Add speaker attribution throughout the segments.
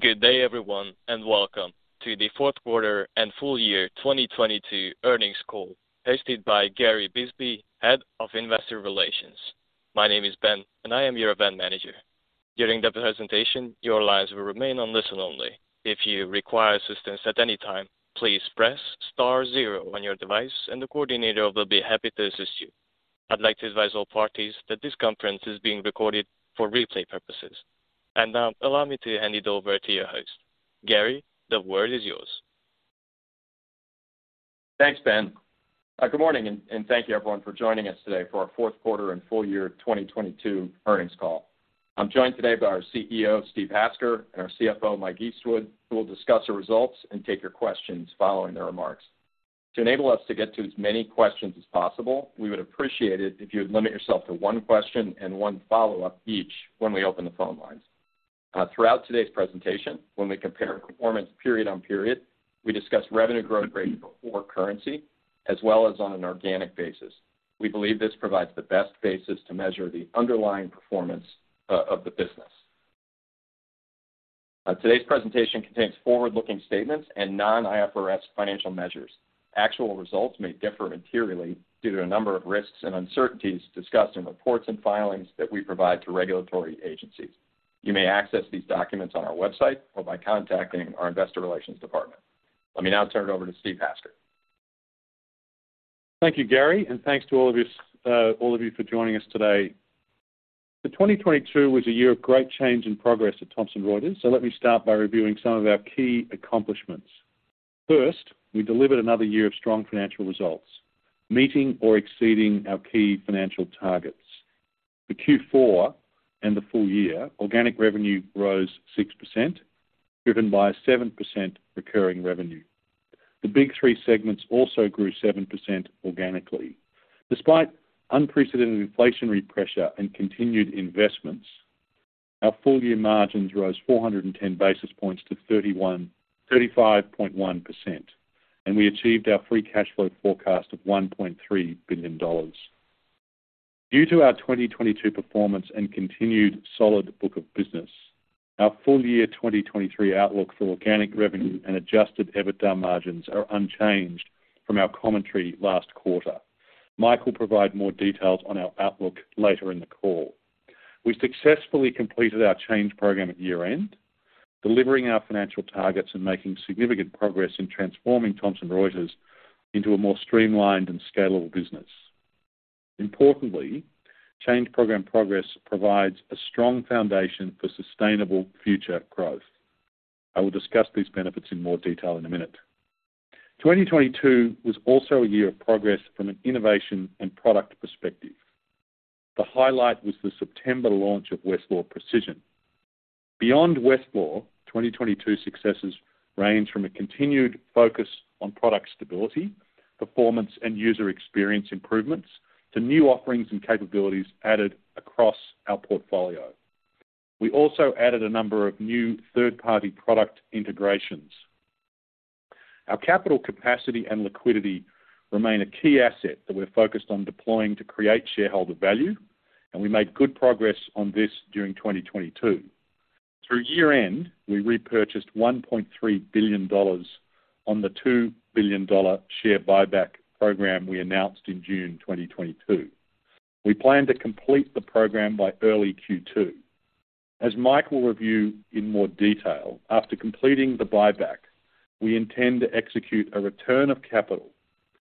Speaker 1: Good day, everyone. Welcome to the Fourth Quarter and Full Year 2022 Earnings Call hosted by Gary Bisbee, Head of Investor Relations. My name is Ben. I am your event manager. During the presentation, your lines will remain on listen only. If you require assistance at any time, please press star zero on your device. The coordinator will be happy to assist you. I'd like to advise all parties that this conference is being recorded for replay purposes. Now allow me to hand it over to your host. Gary, the word is yours.
Speaker 2: Thanks, Ben. Good morning, and thank you everyone for joining us today for our Fourth quarter and Full Year 2022 Earnings Call. I'm joined today by our CEO, Steve Hasker, and our CFO, Mike Eastwood, who will discuss the results and take your questions following their remarks. To enable us to get to as many questions as possible, we would appreciate it if you would limit yourself to one question and one follow-up each when we open the phone lines. Throughout today's presentation, when we compare performance period on period, we discuss revenue growth rates before currency as well as on an organic basis. We believe this provides the best basis to measure the underlying performance of the business. Today's presentation contains forward-looking statements and non-IFRS financial measures. Actual results may differ materially due to a number of risks and uncertainties discussed in reports and filings that we provide to regulatory agencies. You may access these documents on our website or by contacting our investor relations department. Let me now turn it over to Steve Hasker.
Speaker 3: Thank you, Gary, and thanks to all of you for joining us today. 2022 was a year of great change and progress at Thomson Reuters. Let me start by reviewing some of our key accomplishments. First, we delivered another year of strong financial results, meeting or exceeding our key financial targets. The Q4 and the full year organic revenue rose 6%, driven by a 7% recurring revenue. The Big 3 segments also grew 7% organically. Despite unprecedented inflationary pressure and continued investments, our full-year margins rose 410 basis points to 35.1%, and we achieved our free cash flow forecast of $1.3 billion. Due to our 2022 performance and continued solid book of business, our full year 2023 outlook for organic revenue and adjusted EBITDA margins are unchanged from our commentary last quarter. Mike will provide more details on our outlook later in the call. We successfully completed our Change Program at year-end, delivering our financial targets and making significant progress in transforming Thomson Reuters into a more streamlined and scalable business. Importantly, Change Program progress provides a strong foundation for sustainable future growth. I will discuss these benefits in more detail in a minute. 2022 was also a year of progress from an innovation and product perspective. The highlight was the September launch of Westlaw Precision. Beyond Westlaw, 2022 successes range from a continued focus on product stability, performance, and user experience improvements to new offerings and capabilities added across our portfolio. We also added a number of new third-party product integrations. Our capital capacity and liquidity remain a key asset that we're focused on deploying to create shareholder value. We made good progress on this during 2022. Through year-end, we repurchased $1.3 billion on the $2 billion share buyback program we announced in June 2022. We plan to complete the program by early Q2. As Mike will review in more detail, after completing the buyback, we intend to execute a return of capital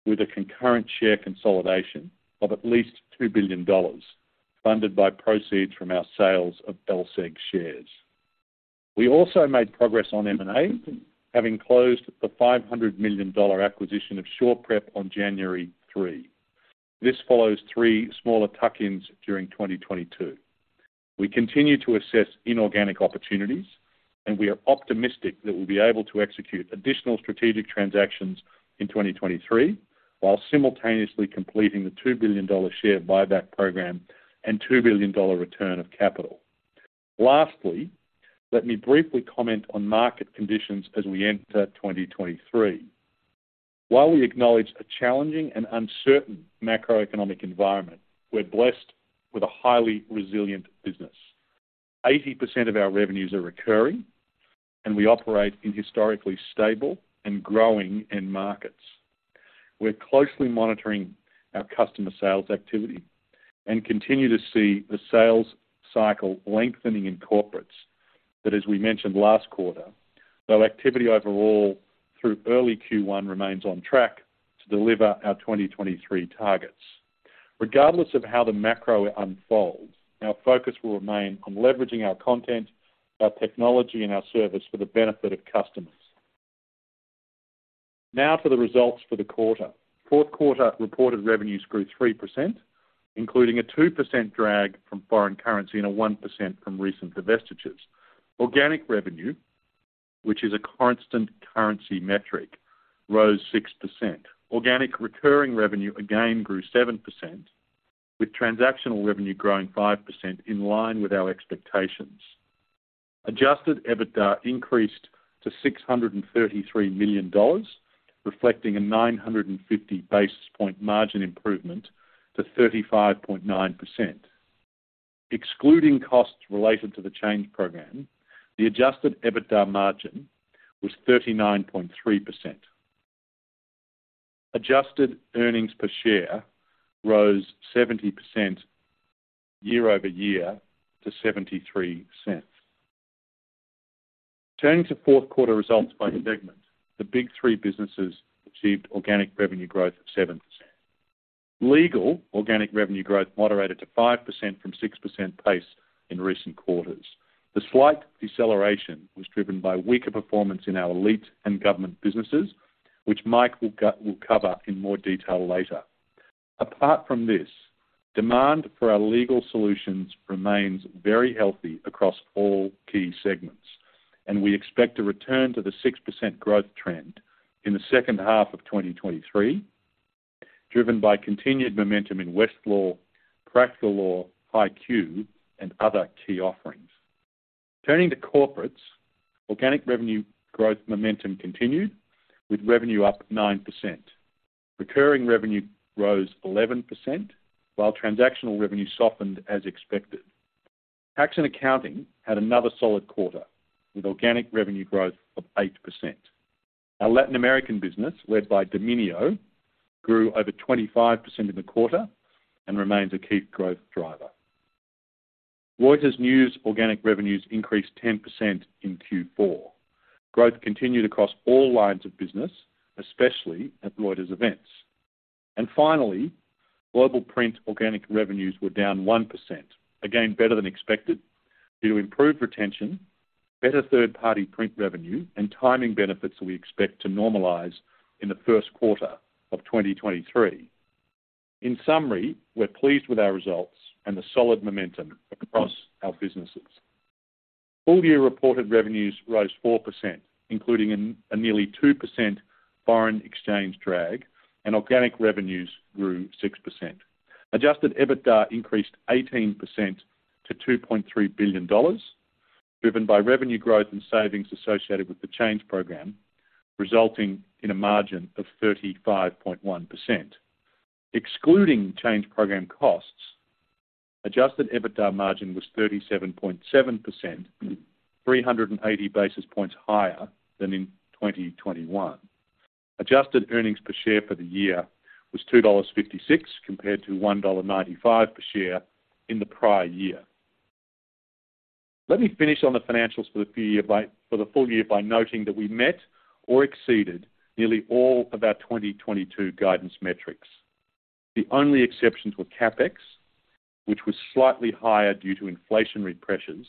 Speaker 3: with a concurrent share consolidation of at least $2 billion, funded by proceeds from our sales of LSEG shares. We also made progress on M&A, having closed the $500 million acquisition of SurePrep on January 3. This follows three smaller tuck-ins during 2022. We continue to assess inorganic opportunities, and we are optimistic that we'll be able to execute additional strategic transactions in 2023, while simultaneously completing the $2 billion share buyback program and $2 billion return of capital. Lastly, let me briefly comment on market conditions as we enter 2023. While we acknowledge a challenging and uncertain macroeconomic environment, we're blessed with a highly resilient business. 80% of our revenues are recurring, and we operate in historically stable and growing end markets. We're closely monitoring our customer sales activity and continue to see the sales cycle lengthening in Corporates, that as we mentioned last quarter, though activity overall through early Q1 remains on track to deliver our 2023 targets. Regardless of how the macro unfolds, our focus will remain on leveraging our content, our technology, and our service for the benefit of customers. Now to the results for the quarter. Fourth quarter reported revenues grew 3%, including a 2% drag from foreign currency and a 1% from recent divestitures. Organic revenue, which is a constant currency metric, rose 6%. Organic recurring revenue again grew 7%, with transactional revenue growing 5% in line with our expectations. Adjusted EBITDA increased to $633 million, reflecting a 950 basis point margin improvement to 35.9%. Excluding costs related to the Change Program, the adjusted EBITDA margin was 39.3%. Adjusted earnings per share rose 70% year-over-year to $0.73. Turning to fourth quarter results by segment, the Big 3 businesses achieved organic revenue growth of 7%. Legal organic revenue growth moderated to 5% from 6% pace in recent quarters. The slight deceleration was driven by weaker performance in our Elite and Government businesses, which Mike will cover in more detail later. Apart from this, demand for our legal solutions remains very healthy across all key segments, and we expect to return to the 6% growth trend in the second half of 2023, driven by continued momentum in Westlaw, Practical Law, HighQ and other key offerings. Turning to Corporates, organic revenue growth momentum continued, with revenue up 9%. Recurring revenue rose 11%, while transactional revenue softened as expected. Tax & Accounting had another solid quarter, with organic revenue growth of 8%. Our Latin American business, led by Domínio, grew over 25% in the quarter and remains a key growth driver. Reuters News organic revenues increased 10% in Q4. Growth continued across all lines of business, especially at Reuters Events. Finally, Global Print organic revenues were down 1%, again better than expected due to improved retention, better third-party print revenue and timing benefits that we expect to normalize in the 1st quarter of 2023. In summary, we're pleased with our results and the solid momentum across our businesses. Full year reported revenues rose 4%, including a nearly 2% foreign exchange drag and organic revenues grew 6%. Adjusted EBITDA increased 18% to $2.3 billion, driven by revenue growth and savings associated with the Change Program, resulting in a margin of 35.1%. Excluding Change Program costs, adjusted EBITDA margin was 37.7%, 380 basis points higher than in 2021. Adjusted earnings per share for the year was $2.56 compared to $1.95 per share in the prior year. Let me finish on the financials for the full year by noting that we met or exceeded nearly all of our 2022 guidance metrics. The only exceptions were CapEx, which was slightly higher due to inflationary pressures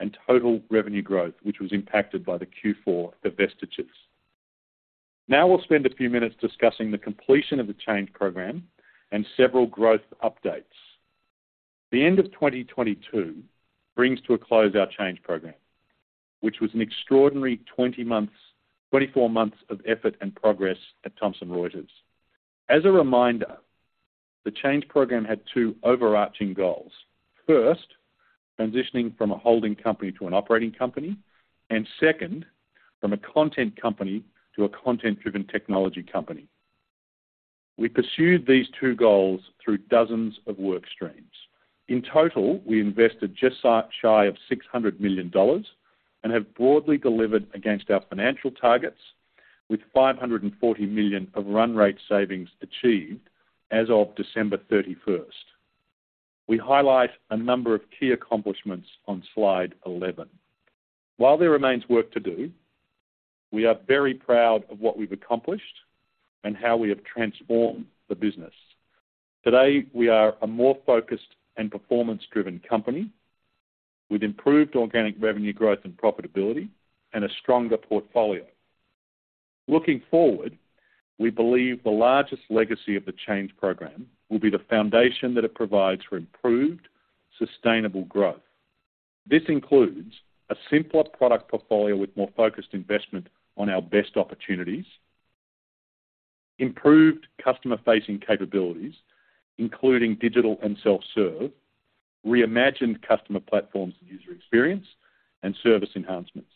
Speaker 3: and total revenue growth, which was impacted by the Q4 divestitures. We'll spend a few minutes discussing the completion of the Change Program and several growth updates. The end of 2022 brings to a close our Change Program, which was an extraordinary 24 months of effort and progress at Thomson Reuters. As a reminder, the Change Program had two overarching goals. Transitioning from a holding company to an operating company, and from a content company to a content-driven technology company. We pursued these two goals through dozens of work streams. In total, we invested just shy of $600 million and have broadly delivered against our financial targets with $540 million of run rate savings achieved as of December 31st. We highlight a number of key accomplishments on slide 11. While there remains work to do, we are very proud of what we've accomplished and how we have transformed the business. Today, we are a more focused and performance-driven company with improved organic revenue growth and profitability and a stronger portfolio. Looking forward, we believe the largest legacy of the Change Program will be the foundation that it provides for improved, sustainable growth. This includes a simpler product portfolio with more focused investment on our best opportunities. Improved customer-facing capabilities, including digital and self-serve. Reimagined customer platforms and user experience and service enhancements.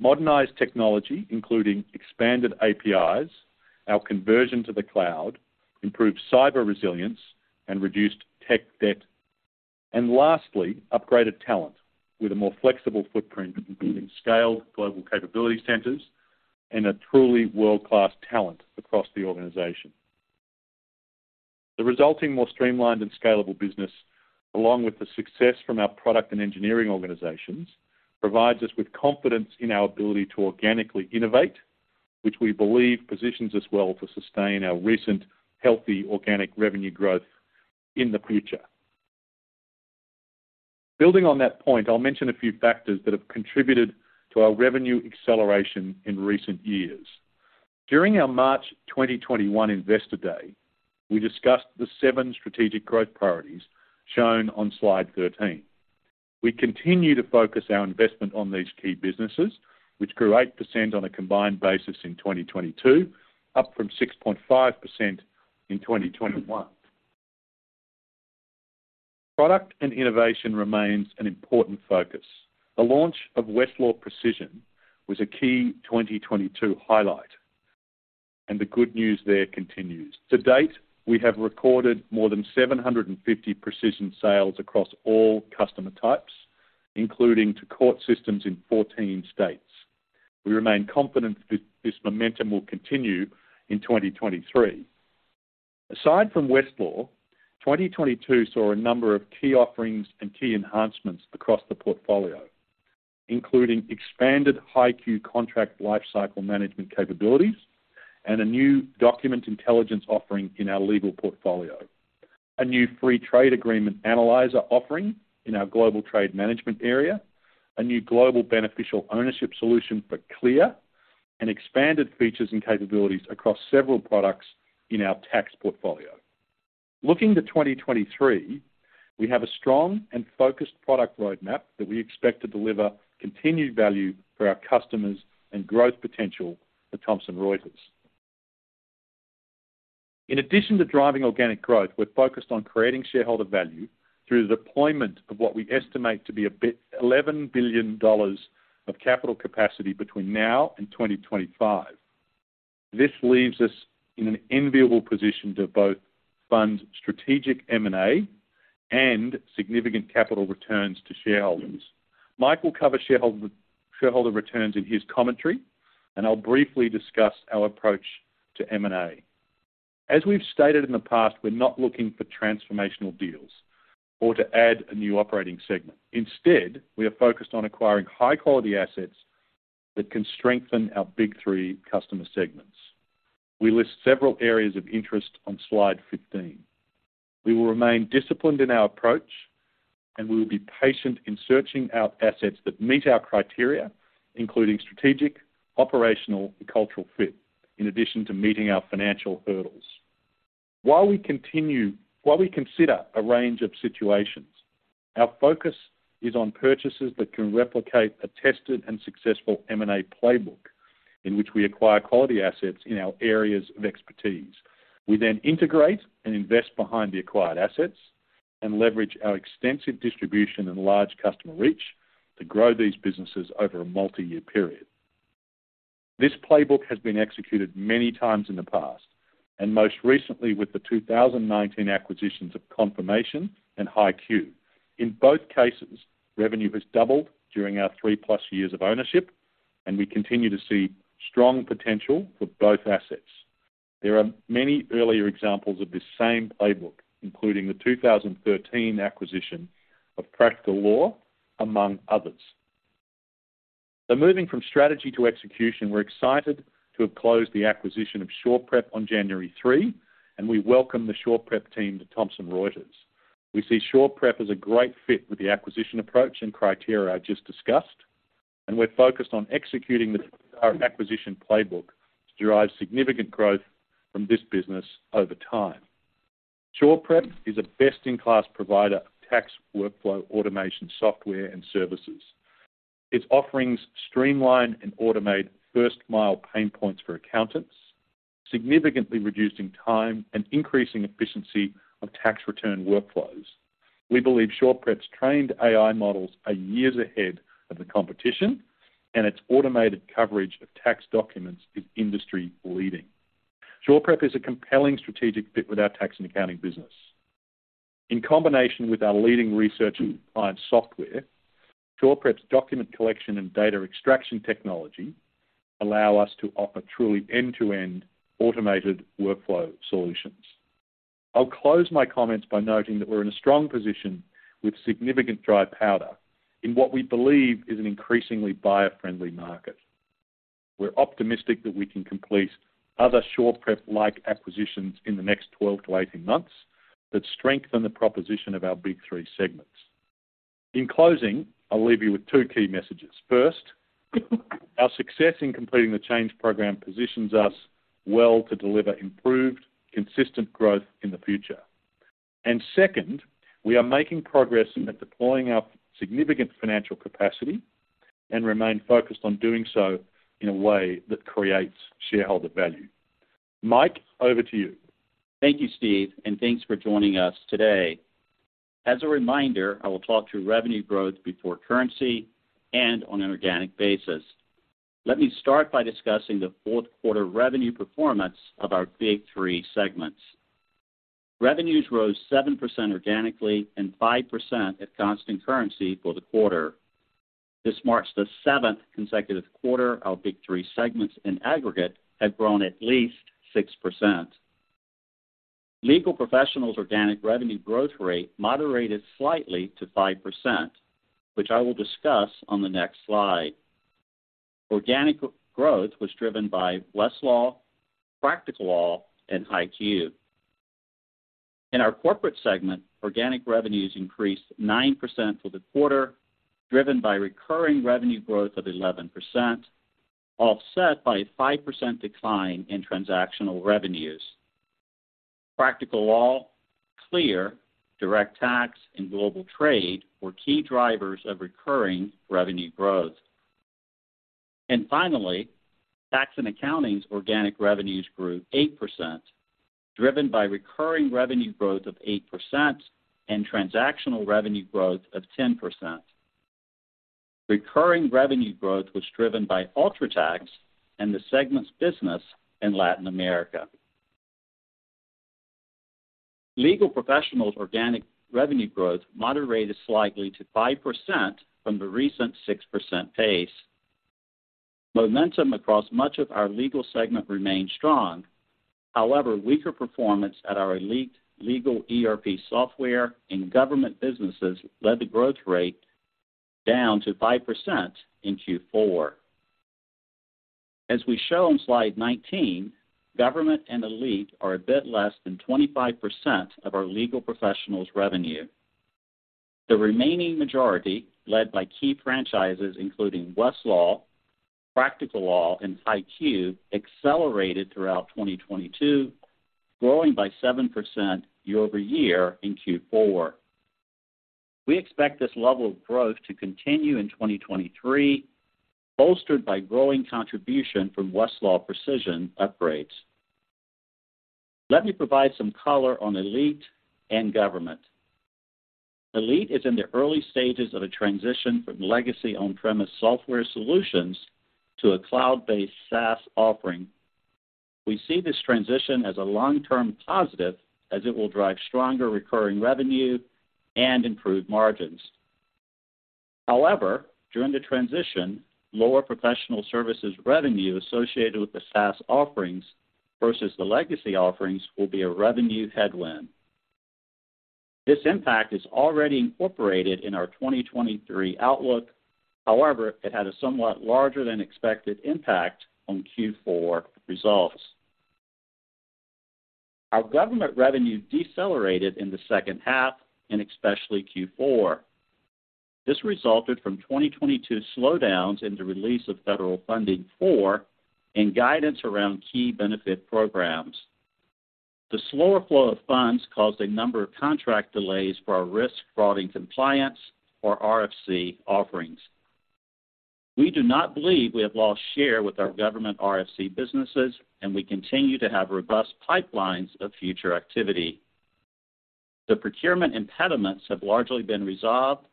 Speaker 3: Modernized technology, including expanded APIs, our conversion to the cloud, improved cyber resilience and reduced tech debt. Lastly, upgraded talent with a more flexible footprint, including scaled global capability centers and a truly world-class talent across the organization. The resulting more streamlined and scalable business, along with the success from our product and engineering organizations, provides us with confidence in our ability to organically innovate, which we believe positions us well to sustain our recent healthy organic revenue growth in the future. Building on that point, I'll mention a few factors that have contributed to our revenue acceleration in recent years. During our March 2021 Investor Day, we discussed the seven strategic growth priorities shown on slide 13. We continue to focus our investment on these key businesses, which grew 8% on a combined basis in 2022, up from 6.5% in 2021. Product and innovation remains an important focus. The launch of Westlaw Precision was a key 2022 highlight. The good news there continues. To date, we have recorded more than 750 precision sales across all customer types, including to court systems in 14 states. We remain confident this momentum will continue in 2023. Aside from Westlaw, 2022 saw a number of key offerings and key enhancements across the portfolio, including expanded HighQ contract lifecycle management capabilities and a new document intelligence offering in our legal portfolio, a new Free Trade Agreement Analyzer offering in our Global Trade management area, a new global beneficial ownership solution for CLEAR, and expanded features and capabilities across several products in our tax portfolio. Looking to 2023, we have a strong and focused product roadmap that we expect to deliver continued value for our customers and growth potential for Thomson Reuters. In addition to driving organic growth, we're focused on creating shareholder value through the deployment of what we estimate to be $11 billion of capital capacity between now and 2025. This leaves us in an enviable position to both fund strategic M&A and significant capital returns to shareholders. Mike will cover shareholder returns in his commentary, and I'll briefly discuss our approach to M&A. As we've stated in the past, we're not looking for transformational deals or to add a new operating segment. Instead, we are focused on acquiring high-quality assets that can strengthen our Big 3 customer segments. We list several areas of interest on slide 15. We will remain disciplined in our approach, and we will be patient in searching out assets that meet our criteria, including strategic, operational, and cultural fit, in addition to meeting our financial hurdles. While we consider a range of situations, our focus is on purchases that can replicate a tested and successful M&A playbook in which we acquire quality assets in our areas of expertise. We integrate and invest behind the acquired assets and leverage our extensive distribution and large customer reach to grow these businesses over a multi-year period. This playbook has been executed many times in the past, and most recently with the 2019 acquisitions of Confirmation and HighQ. In both cases, revenue has doubled during our 3+ years of ownership, and we continue to see strong potential for both assets. There are many earlier examples of this same playbook, including the 2013 acquisition of Practical Law, among others. Moving from strategy to execution, we're excited to have closed the acquisition of SurePrep on January 3, and we welcome the SurePrep team to Thomson Reuters. We see SurePrep as a great fit with the acquisition approach and criteria I just discussed, and we're focused on executing our acquisition playbook to derive significant growth from this business over time. SurePrep is a best-in-class provider of tax workflow automation software and services. Its offerings streamline and automate first-mile pain points for accountants, significantly reducing time and increasing efficiency of tax return workflows. We believe SurePrep's trained AI models are years ahead of the competition, and its automated coverage of tax documents is industry-leading. SurePrep is a compelling strategic fit with our tax and accounting business. In combination with our leading research and client software, SurePrep's document collection and data extraction technology allow us to offer truly end-to-end automated workflow solutions. I'll close my comments by noting that we're in a strong position with significant dry powder in what we believe is an increasingly buyer-friendly market. We're optimistic that we can complete other SurePrep-like acquisitions in the next 12-18 months that strengthen the proposition of our Big 3 segments. In closing, I'll leave you with two key messages. First, our success in completing the Change Program positions us well to deliver improved, consistent growth in the future. Second, we are making progress in deploying our significant financial capacity and remain focused on doing so in a way that creates shareholder value. Mike, over to you.
Speaker 4: Thank you, Steve. Thanks for joining us today. As a reminder, I will talk through revenue growth before currency and on an organic basis. Let me start by discussing the fourth-quarter revenue performance of our Big 3 segments. Revenues rose 7% organically and 5% at constant currency for the quarter. This marks the seventh consecutive quarter our Big 3 segments in aggregate have grown at least 6%. Legal Professionals' organic revenue growth rate moderated slightly to 5%, which I will discuss on the next slide. Organic growth was driven by Westlaw, Practical Law, and HighQ. In our Corporates segment, organic revenues increased 9% for the quarter, driven by recurring revenue growth of 11%, offset by a 5% decline in transactional revenues. Practical Law, CLEAR, Direct Tax, and Global Trade were key drivers of recurring revenue growth. Finally, Tax & Accounting's organic revenues grew 8%, driven by recurring revenue growth of 8% and transactional revenue growth of 10%. Recurring revenue growth was driven by UltraTax CS and the segment's business in Latin America. Legal professionals organic revenue growth moderated slightly to 5% from the recent 6% pace. Momentum across much of our legal segment remained strong. However, weaker performance at our Elite and government businesses led the growth rate down to 5% in Q4. As we show on slide 19, government and Elite are a bit less than 25% of our legal professionals revenue. The remaining majority, led by key franchises including Westlaw, Practical Law, and HighQ, accelerated throughout 2022, growing by 7% year-over-year in Q4. We expect this level of growth to continue in 2023, bolstered by growing contribution from Westlaw Precision upgrades. Let me provide some color on Elite and government. Elite is in the early stages of a transition from legacy on-premise software solutions to a cloud-based SaaS offering. We see this transition as a long-term positive as it will drive stronger recurring revenue and improved margins. During the transition, lower professional services revenue associated with the SaaS offerings versus the legacy offerings will be a revenue headwind. This impact is already incorporated in our 2023 outlook. It had a somewhat larger than expected impact on Q4 results. Our government revenue decelerated in the second half and especially Q4. This resulted from 2022 slowdowns in the release of federal funding four and guidance around key benefit programs. The slower flow of funds caused a number of contract delays for our risk, fraud, and compliance, or RFC offerings. We do not believe we have lost share with our government RFC businesses, and we continue to have robust pipelines of future activity. The procurement impediments have largely been resolved,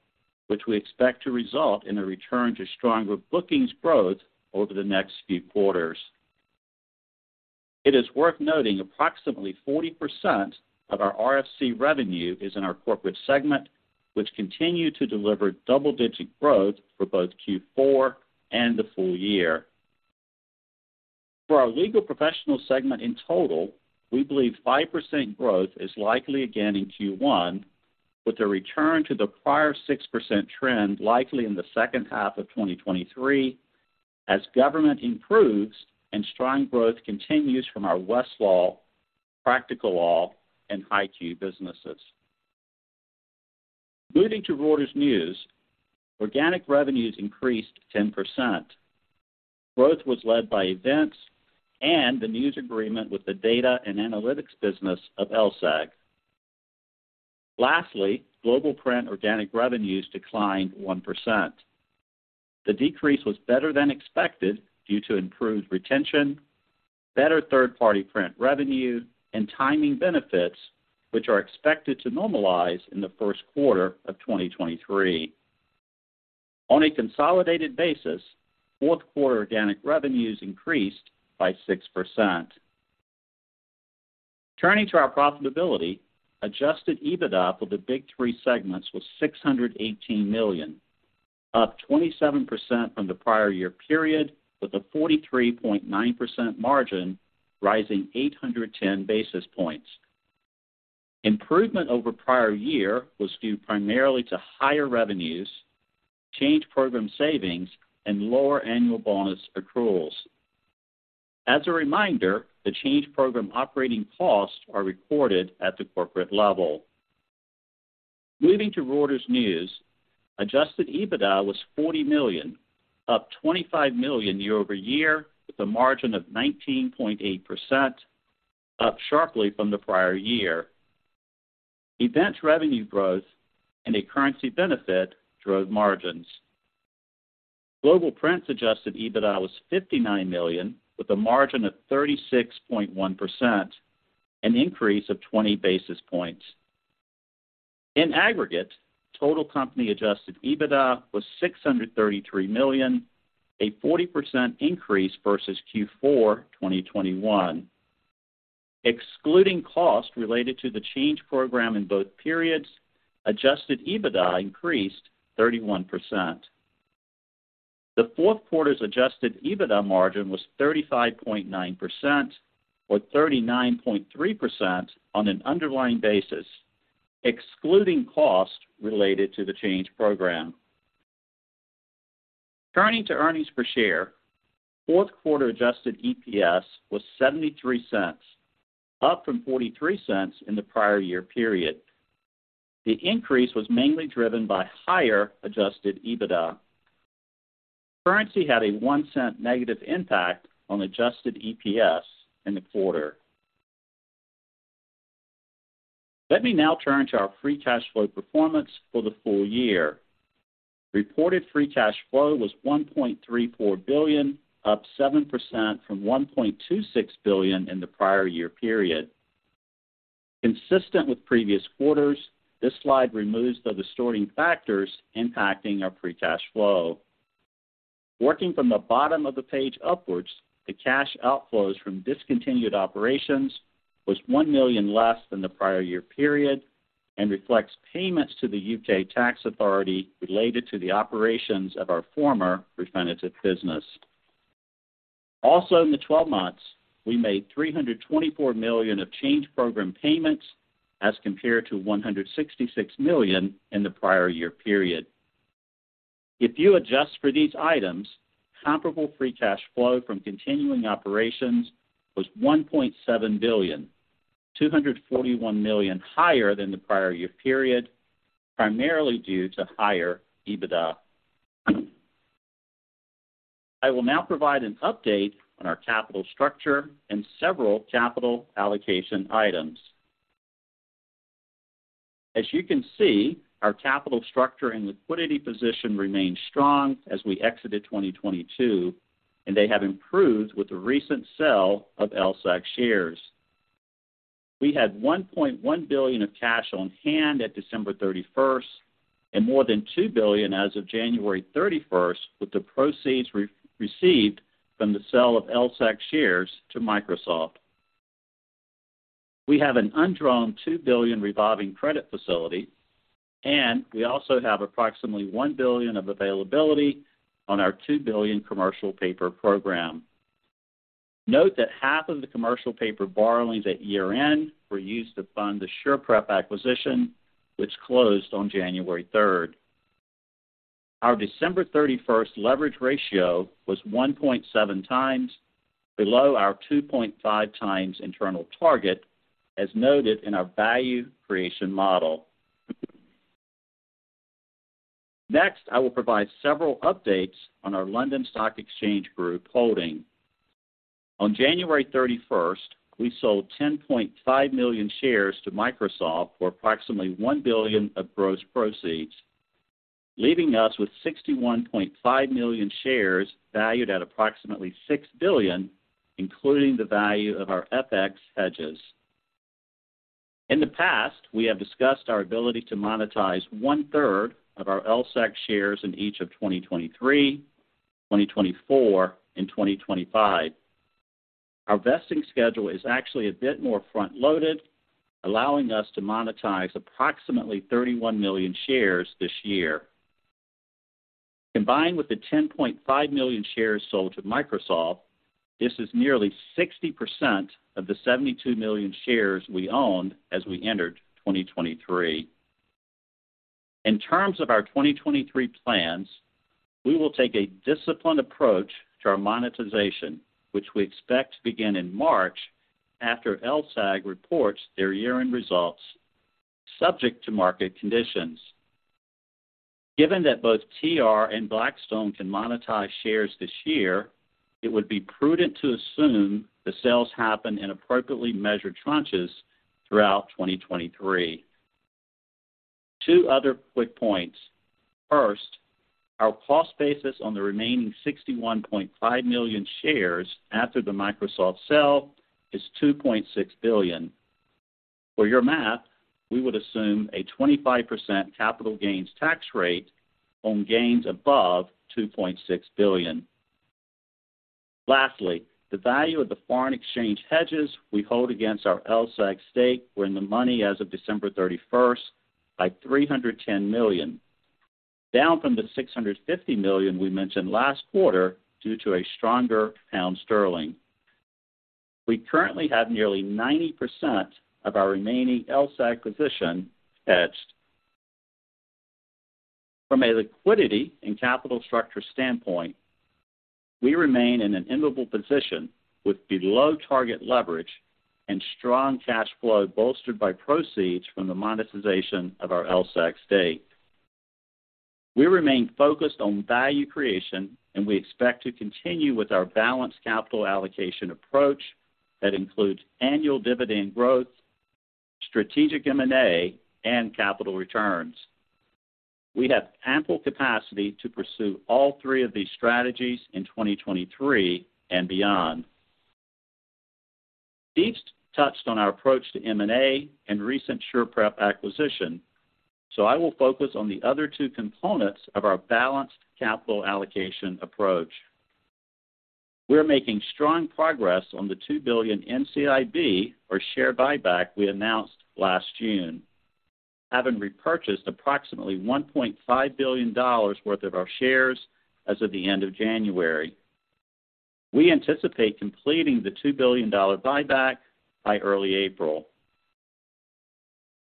Speaker 4: which we expect to result in a return to stronger bookings growth over the next few quarters. It is worth noting approximately 40% of our RFC revenue is in our Corporate Segment, which continued to deliver double-digit growth for both Q4 and the full year. For our Legal Professionals segment in total, we believe 5% growth is likely again in Q1, with a return to the prior 6% trend likely in the second half of 2023 as government improves and strong growth continues from our Westlaw, Practical Law, and HighQ businesses. Moving to Reuters News, organic revenues increased 10%. Growth was led by events and the news agreement with the data and analytics business of LSEG. Lastly, Global Print organic revenues declined 1%. The decrease was better than expected due to improved retention, better third-party print revenue, and timing benefits, which are expected to normalize in the first quarter of 2023. On a consolidated basis, fourth quarter organic revenues increased by 6%. Turning to our profitability, adjusted EBITDA for the Big 3 segments was $618 million, up 27% from the prior year period, with a 43.9% margin rising 810 basis points. Improvement over prior year was due primarily to higher revenues, Change Program savings, and lower annual bonus accruals. As a reminder, the Change Program operating costs are recorded at the corporate level. Moving to Reuters News, adjusted EBITDA was $40 million, up $25 million year-over-year, with a margin of 19.8%, up sharply from the prior year. Events revenue growth and a currency benefit drove margins. Global Print adjusted EBITDA was $59 million with a margin of 36.1%, an increase of 20 basis points. In aggregate, total company adjusted EBITDA was $633 million, a 40% increase versus Q4 2021. Excluding costs related to the Change Program in both periods, adjusted EBITDA increased 31%. The fourth quarter's adjusted EBITDA margin was 35.9% or 39.3% on an underlying basis, excluding costs related to the Change Program. Turning to earnings per share, fourth quarter adjusted EPS was $0.73, up from $0.43 in the prior year period. The increase was mainly driven by higher adjusted EBITDA. Currency had a $0.01 negative impact on adjusted EPS in the quarter. Let me now turn to our free cash flow performance for the full year. Reported free cash flow was $1.34 billion, up 7% from $1.26 billion in the prior year period. Consistent with previous quarters, this slide removes the distorting factors impacting our free cash flow. Working from the bottom of the page upwards, the cash outflows from discontinued operations was $1 million less than the prior year period and reflects payments to the U.K. tax authority related to the operations of our former Refinitiv business. In the 12 months, we made $324 million of Change Program payments as compared to $166 million in the prior year period. If you adjust for these items, comparable free cash flow from continuing operations was $1.7 billion, $241 million higher than the prior year period, primarily due to higher EBITDA. I will now provide an update on our capital structure and several capital allocation items. As you can see, our capital structure and liquidity position remained strong as we exited 2022, and they have improved with the recent sale of LSEG shares. We had $1.1 billion of cash on hand at December 31st and more than $2 billion as of January 31st with the proceeds re-received from the sale of LSEG shares to Microsoft. We have an undrawn $2 billion revolving credit facility, and we also have approximately $1 billion of availability on our $2 billion commercial paper program. Note that half of the commercial paper borrowings at year-end were used to fund the SurePrep acquisition, which closed on January 3rd. Our December 31st leverage ratio was 1.7x below our 2.5x internal target, as noted in our value creation model. Next, I will provide several updates on our London Stock Exchange Group holding. On January 31st, we sold 10.5 million shares to Microsoft for approximately $1 billion of gross proceeds, leaving us with 61.5 million shares valued at approximately $6 billion, including the value of our FX hedges. In the past, we have discussed our ability to monetize one-third of our LSEG shares in each of 2023, 2024, and 2025. Our vesting schedule is actually a bit more front-loaded, allowing us to monetize approximately 31 million shares this year. Combined with the 10.5 million shares sold to Microsoft, this is nearly 60% of the 72 million shares we owned as we entered 2023. In terms of our 2023 plans, we will take a disciplined approach to our monetization, which we expect to begin in March after LSEG reports their year-end results, subject to market conditions. Given that both TR and Blackstone can monetize shares this year, it would be prudent to assume the sales happen in appropriately measured tranches throughout 2023. Two other quick points. First, our cost basis on the remaining 61.5 million shares after the Microsoft sale is $2.6 billion. For your math, we would assume a 25% capital gains tax rate on gains above $2.6 billion. Lastly, the value of the foreign exchange hedges we hold against our LSEG stake were in the money as of December 31st by $310 million, down from the $650 million we mentioned last quarter due to a stronger pound sterling. We currently have nearly 90% of our remaining LSEG acquisition hedged. From a liquidity and capital structure standpoint, we remain in an enviable position with below-target leverage and strong cash flow bolstered by proceeds from the monetization of our LSEG stake. We remain focused on value creation, and we expect to continue with our balanced capital allocation approach that includes annual dividend growth, strategic M&A, and capital returns. We have ample capacity to pursue all three of these strategies in 2023 and beyond. Steve touched on our approach to M&A and recent SurePrep acquisition, so I will focus on the other two components of our balanced capital allocation approach. We're making strong progress on the $2 billion NCIB or share buyback we announced last June, having repurchased approximately $1.5 billion worth of our shares as of the end of January. We anticipate completing the $2 billion buyback by early April.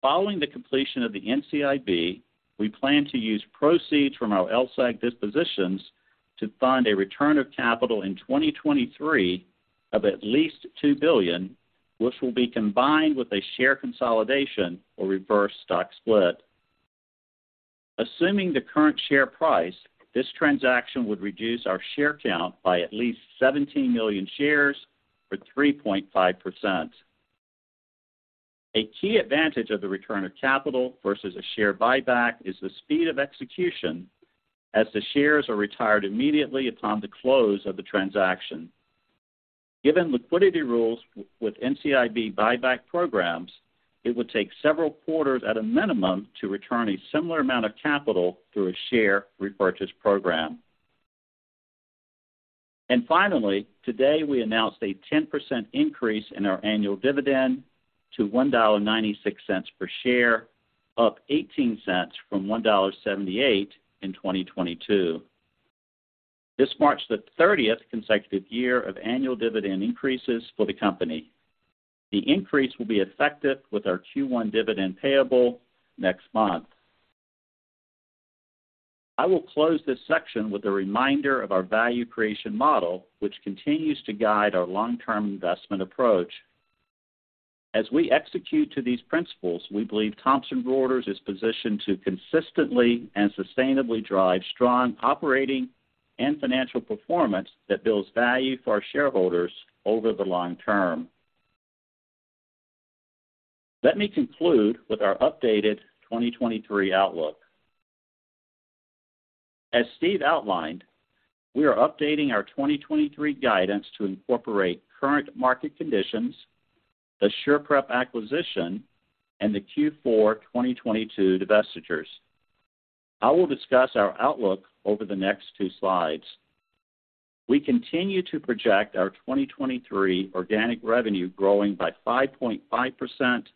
Speaker 4: Following the completion of the NCIB, we plan to use proceeds from our LSEG dispositions to fund a return of capital in 2023 of at least $2 billion, which will be combined with a share consolidation or reverse stock split. Assuming the current share price, this transaction would reduce our share count by at least 17 million shares for 3.5%. A key advantage of the return of capital versus a share buyback is the speed of execution. As the shares are retired immediately upon the close of the transaction. Given liquidity rules with NCIB buyback programs, it would take several quarters at a minimum to return a similar amount of capital through a share repurchase program. Finally, today, we announced a 10% increase in our annual dividend to $1.96 per share, up $0.18 from $1.78 in 2022. This marks the thirtieth consecutive year of annual dividend increases for the company. The increase will be effective with our Q1 dividend payable next month. I will close this section with a reminder of our value creation model, which continues to guide our long-term investment approach. As we execute to these principles, we believe Thomson Reuters is positioned to consistently and sustainably drive strong operating and financial performance that builds value for our shareholders over the long term. Let me conclude with our updated 2023 outlook. As Steve outlined, we are updating our 2023 guidance to incorporate current market conditions, the SurePrep acquisition, and the Q4 2022 divestitures. I will discuss our outlook over the next two slides. We continue to project our 2023 organic revenue growing by 5.5%-6%.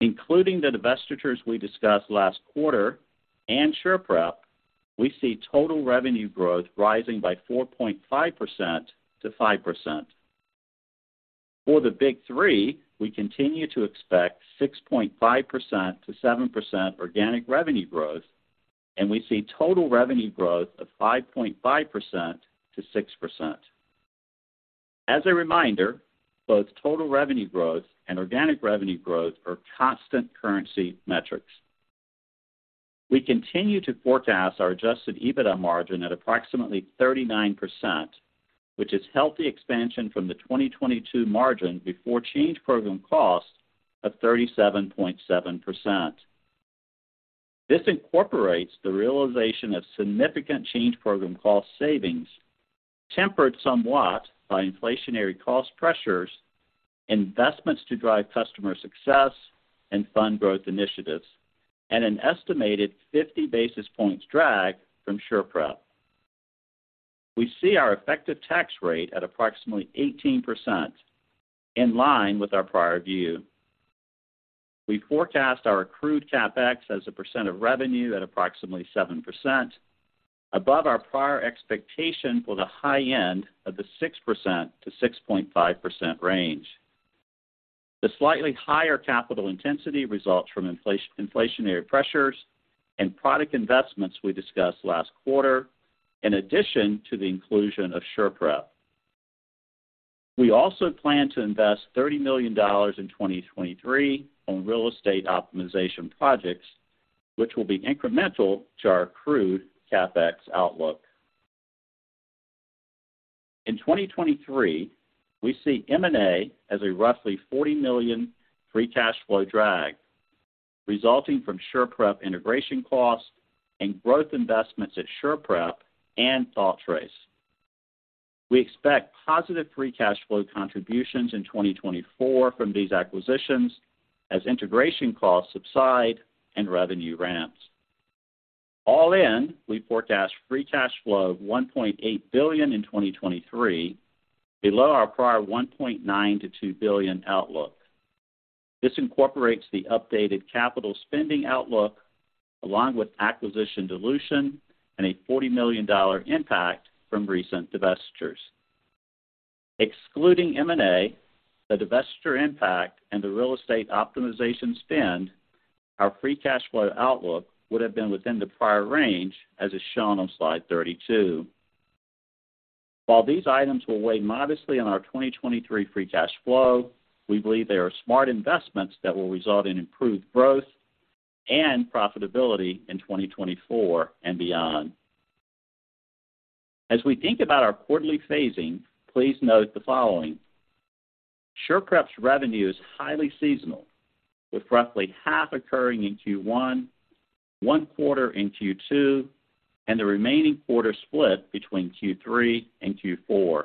Speaker 4: Including the divestitures we discussed last quarter and SurePrep, we see total revenue growth rising by 4.5%-5%. For the Big 3, we continue to expect 6.5%-7% organic revenue growth, and we see total revenue growth of 5.5%-6%. As a reminder, both total revenue growth and organic revenue growth are constant currency metrics. We continue to forecast our adjusted EBITDA margin at approximately 39%, which is healthy expansion from the 2022 margin before Change Program costs of 37.7%. This incorporates the realization of significant Change Program cost savings, tempered somewhat by inflationary cost pressures, investments to drive customer success and fund growth initiatives, and an estimated 50 basis points drag from SurePrep. We see our effective tax rate at approximately 18%, in line with our prior view. We forecast our accrued CapEx as a percent of revenue at approximately 7%, above our prior expectation for the high end of the 6%-6.5% range. The slightly higher capital intensity results from inflationary pressures and product investments we discussed last quarter, in addition to the inclusion of SurePrep. We also plan to invest $30 million in 2023 on real estate optimization projects, which will be incremental to our accrued CapEx outlook. In 2023, we see M&A as a roughly $40 million free cash flow drag, resulting from SurePrep integration costs and growth investments at SurePrep and ThoughtTrace. We expect positive free cash flow contributions in 2024 from these acquisitions as integration costs subside and revenue ramps. All in, we forecast free cash flow of $1.8 billion in 2023, below our prior $1.9 billion-$2 billion outlook. This incorporates the updated capital spending outlook along with acquisition dilution and a $40 million impact from recent divestitures. Excluding M&A, the divestiture impact, and the real estate optimization spend, our free cash flow outlook would have been within the prior range, as is shown on slide 32. While these items will weigh modestly on our 2023 free cash flow, we believe they are smart investments that will result in improved growth and profitability in 2024 and beyond. As we think about our quarterly phasing, please note the following. SurePrep's revenue is highly seasonal, with roughly half occurring in Q1, one quarter in Q2, and the remaining quarter split between Q3 and Q4.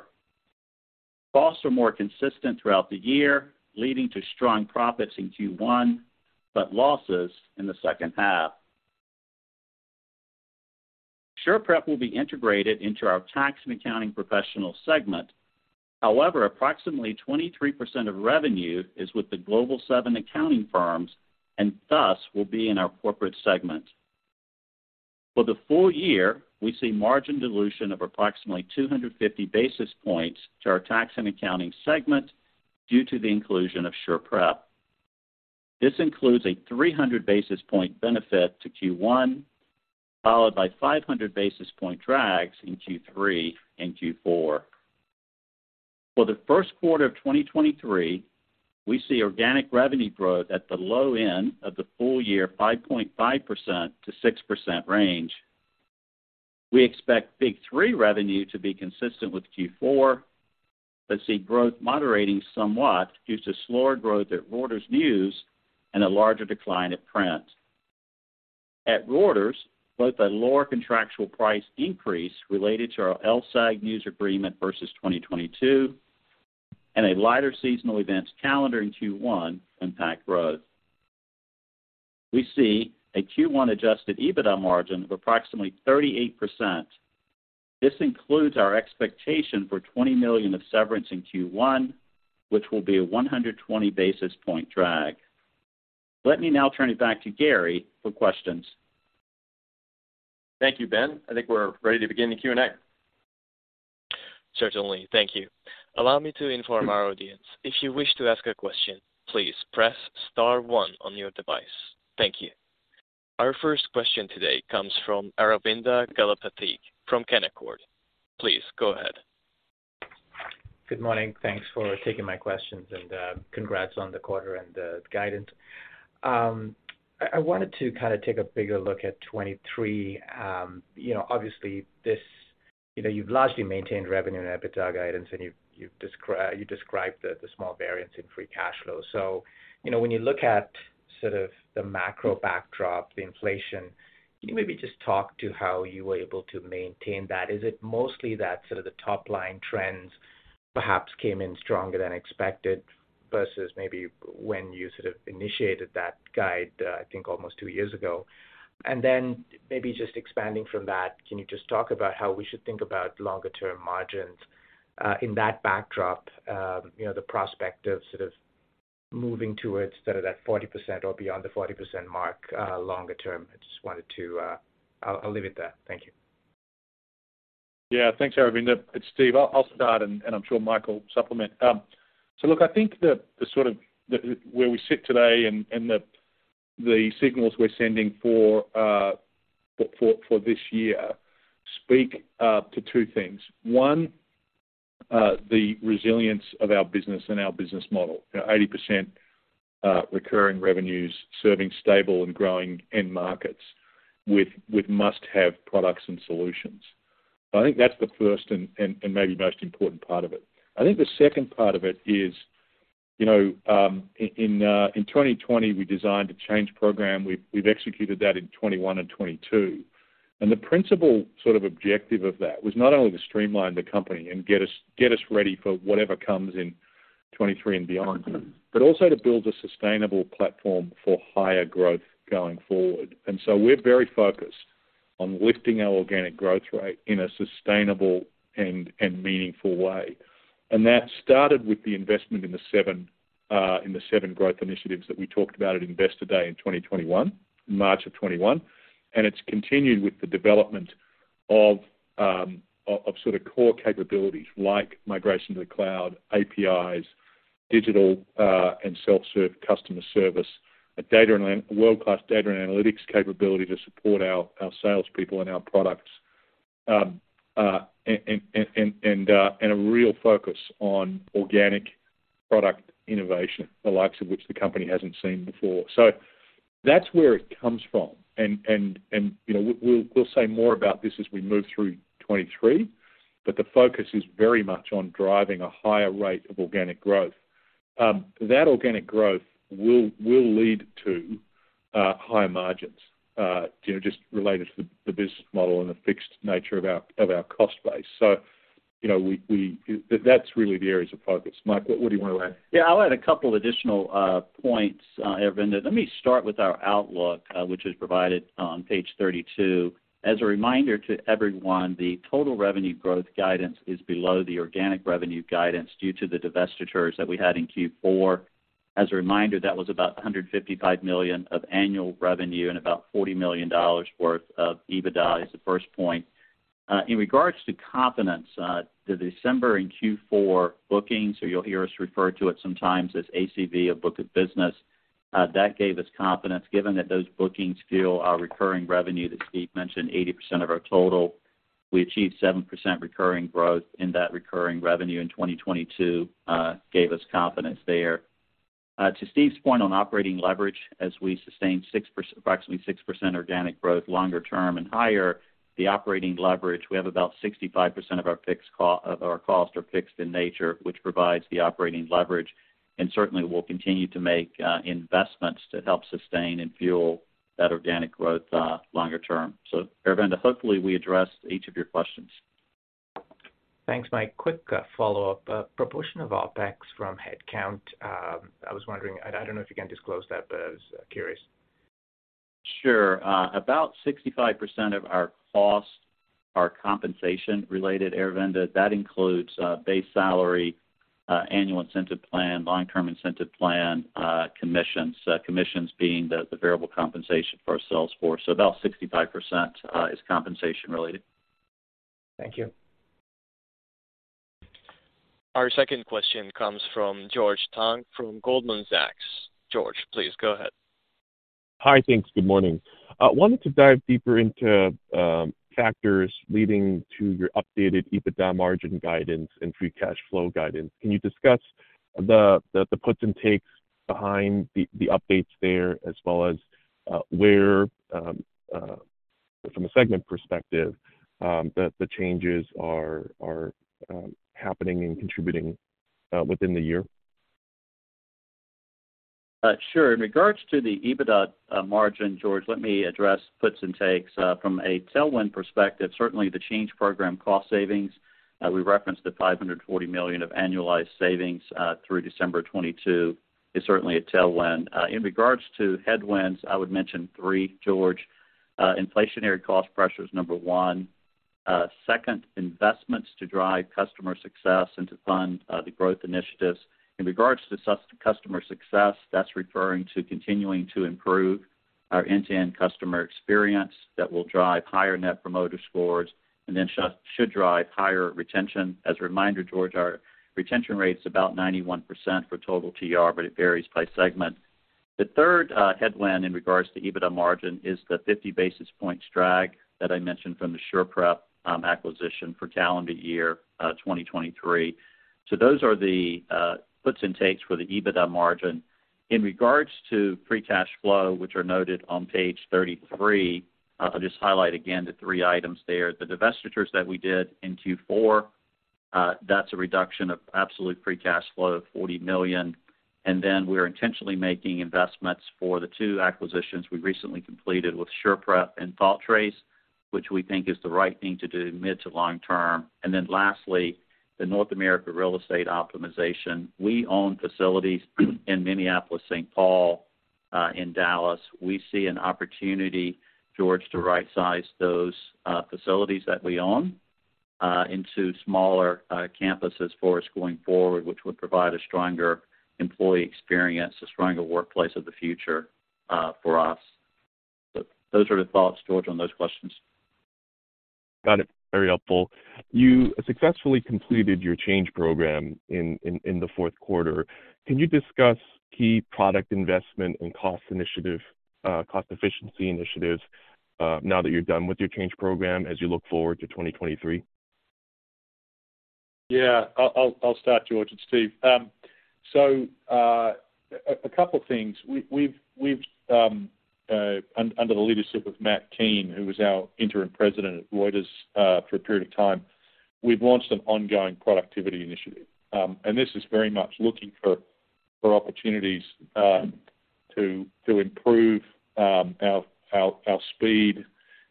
Speaker 4: Costs are more consistent throughout the year, leading to strong profits in Q1, but losses in the second half. SurePrep will be integrated into our tax and accounting professional segment. However, approximately 23% of revenue is with the Global 7 accounting firms, and thus will be in our corporate segment. For the full year, we see margin dilution of approximately 250 basis points to our tax and accounting segment due to the inclusion of SurePrep. This includes a 300 basis point benefit to Q1, followed by 500 basis point drags in Q3 and Q4. For the first quarter of 2023, we see organic revenue growth at the low end of the full year, 5.5%-6% range. We expect Big 3 revenue to be consistent with Q4, but see growth moderating somewhat due to slower growth at Reuters News and a larger decline at print. At Reuters, both a lower contractual price increase related to our LSEG news agreement versus 2022 and a lighter seasonal events calendar in Q1 impact growth. We see a Q1 adjusted EBITDA margin of approximately 38%. This includes our expectation for $20 million of severance in Q1, which will be a 120 basis point drag. Let me now turn it back to Gary for questions.
Speaker 2: Thank you. Ben, I think we're ready to begin the Q&A.
Speaker 1: Certainly. Thank you. Allow me to inform our audience. If you wish to ask a question, please press star one on your device. Thank you. Our first question today comes from Aravinda Galappatthige from Canaccord. Please go ahead.
Speaker 5: Good morning. Thanks for taking my questions, and congrats on the quarter and the guidance. I wanted to kind of take a bigger look at 23. You know, obviously this, you know, you've largely maintained revenue and EBITDA guidance, and you described the small variance in free cash flow. You know, when you look at sort of the macro backdrop, the inflation, can you maybe just talk to how you were able to maintain that? Is it mostly that sort of the top-line trends perhaps came in stronger than expected versus maybe when you sort of initiated that guide, I think almost two years ago? Maybe just expanding from that, can you just talk about how we should think about longer term margins, in that backdrop? You know, the prospect of sort of moving towards sort of that 40% or beyond the 40% mark, longer term. I just wanted to. I'll leave it there. Thank you.
Speaker 3: Yeah. Thanks, Aravinda. It's Steve. I'll start and I'm sure Mike will supplement. Look, I think the sort of where we sit today and the signals we're sending for this year speak to two things. One, the resilience of our business and our business model. You know, 80% recurring revenues serving stable and growing end markets with must-have products and solutions. I think that's the first and maybe most important part of it. I think the second part of it is, you know, in 2020, we designed a Change Program. We've executed that in 2021 and 2022. The principal sort of objective of that was not only to streamline the company and get us ready for whatever comes in 2023 and beyond, but also to build a sustainable platform for higher growth going forward. We're very focused on lifting our organic growth rate in a sustainable and meaningful way. That started with the investment in the seven growth initiatives that we talked about at Investor Day in 2021, in March of 2021, and it's continued with the development of sort of core capabilities like migration to the cloud, APIs, digital and self-serve customer service, a data and a world-class data and analytics capability to support our salespeople and our products. A real focus on organic product innovation, the likes of which the company hasn't seen before. That's where it comes from. You know, we'll say more about this as we move through 23, but the focus is very much on driving a higher rate of organic growth. That organic growth will lead to higher margins, you know, just related to the business model and the fixed nature of our cost base. You know, we. That's really the areas of focus. Mike, what do you wanna add?
Speaker 4: I'll add a couple additional points, Aravinda. Let me start with our outlook, which is provided on page 32. As a reminder to everyone, the total revenue growth guidance is below the organic revenue guidance due to the divestitures that we had in Q4. As a reminder, that was about $155 million of annual revenue and about $40 million worth of EBITDA is the first point. In regards to confidence, the December and Q4 bookings, or you'll hear us refer to it sometimes as ACV or book of business, that gave us confidence. Given that those bookings fuel our recurring revenue that Steve mentioned, 80% of our total, we achieved 7% recurring growth in that recurring revenue in 2022, gave us confidence there. To Steve's point on operating leverage, as we sustain approximately 6% organic growth longer term and higher, the operating leverage, we have about 65% of our fixed of our costs are fixed in nature, which provides the operating leverage, and certainly we'll continue to make investments to help sustain and fuel that organic growth longer term. Aravinda, hopefully we addressed each of your questions.
Speaker 5: Thanks, Mike. Quick follow-up. Proportion of OpEx from headcount, I was wondering. I don't know if you can disclose that, but I was curious.
Speaker 4: Sure. About 65% of our costs are compensation related, Aravinda. That includes base salary, annual incentive plan, long-term incentive plan, commissions. Commissions being the variable compensation for our sales force. About 65% is compensation related.
Speaker 5: Thank you.
Speaker 1: Our second question comes from George Tong from Goldman Sachs. George, please go ahead.
Speaker 6: Hi. Thanks. Good morning. I wanted to dive deeper into factors leading to your updated EBITDA margin guidance and free cash flow guidance. Can you discuss the puts and takes behind the updates there as well as where from a segment perspective the changes are happening and contributing within the year?
Speaker 4: Sure. In regards to the EBITDA margin, George, let me address puts and takes. From a tailwind perspective, certainly the Change Program cost savings, we referenced the $540 million of annualized savings through December 2022 is certainly a tailwind. In regards to headwinds, I would mention three, George. Inflationary cost pressure is number one. Second, investments to drive customer success and to fund the growth initiatives. In regards to customer success, that's referring to continuing to improve our end-to-end customer experience that will drive higher net promoter scores, and then should drive higher retention. As a reminder, George, our retention rate's about 91% for total TR, but it varies by segment. The third headwind in regards to EBITDA margin is the 50 basis points drag that I mentioned from the SurePrep acquisition for calendar year 2023. Those are the puts and takes for the EBITDA margin. In regards to free cash flow, which are noted on page 33, I'll just highlight again the three items there. The divestitures that we did in Q4, that's a reduction of absolute free cash flow of $40 million. We're intentionally making investments for the two acquisitions we recently completed with SurePrep and ThoughtTrace, which we think is the right thing to do mid to long term. Lastly, the North America real estate optimization. We own facilities in Minneapolis-Saint Paul, in Dallas. We see an opportunity, George, to right-size those facilities that we own into smaller campuses for us going forward, which would provide a stronger employee experience, a stronger workplace of the future for us. Those are the thoughts, George, on those questions.
Speaker 6: Got it. Very helpful. You successfully completed your Change Program in the fourth quarter. Can you discuss key product investment and cost efficiency initiatives, now that you're done with your Change Program as you look forward to 2023?
Speaker 3: Yeah. I'll start, George. It's Steve. a couple things. We've, under the leadership of Matt Keen, who was our interim president at Reuters, for a period of time, we've launched an ongoing productivity initiative. This is very much looking for opportunities to improve our speed,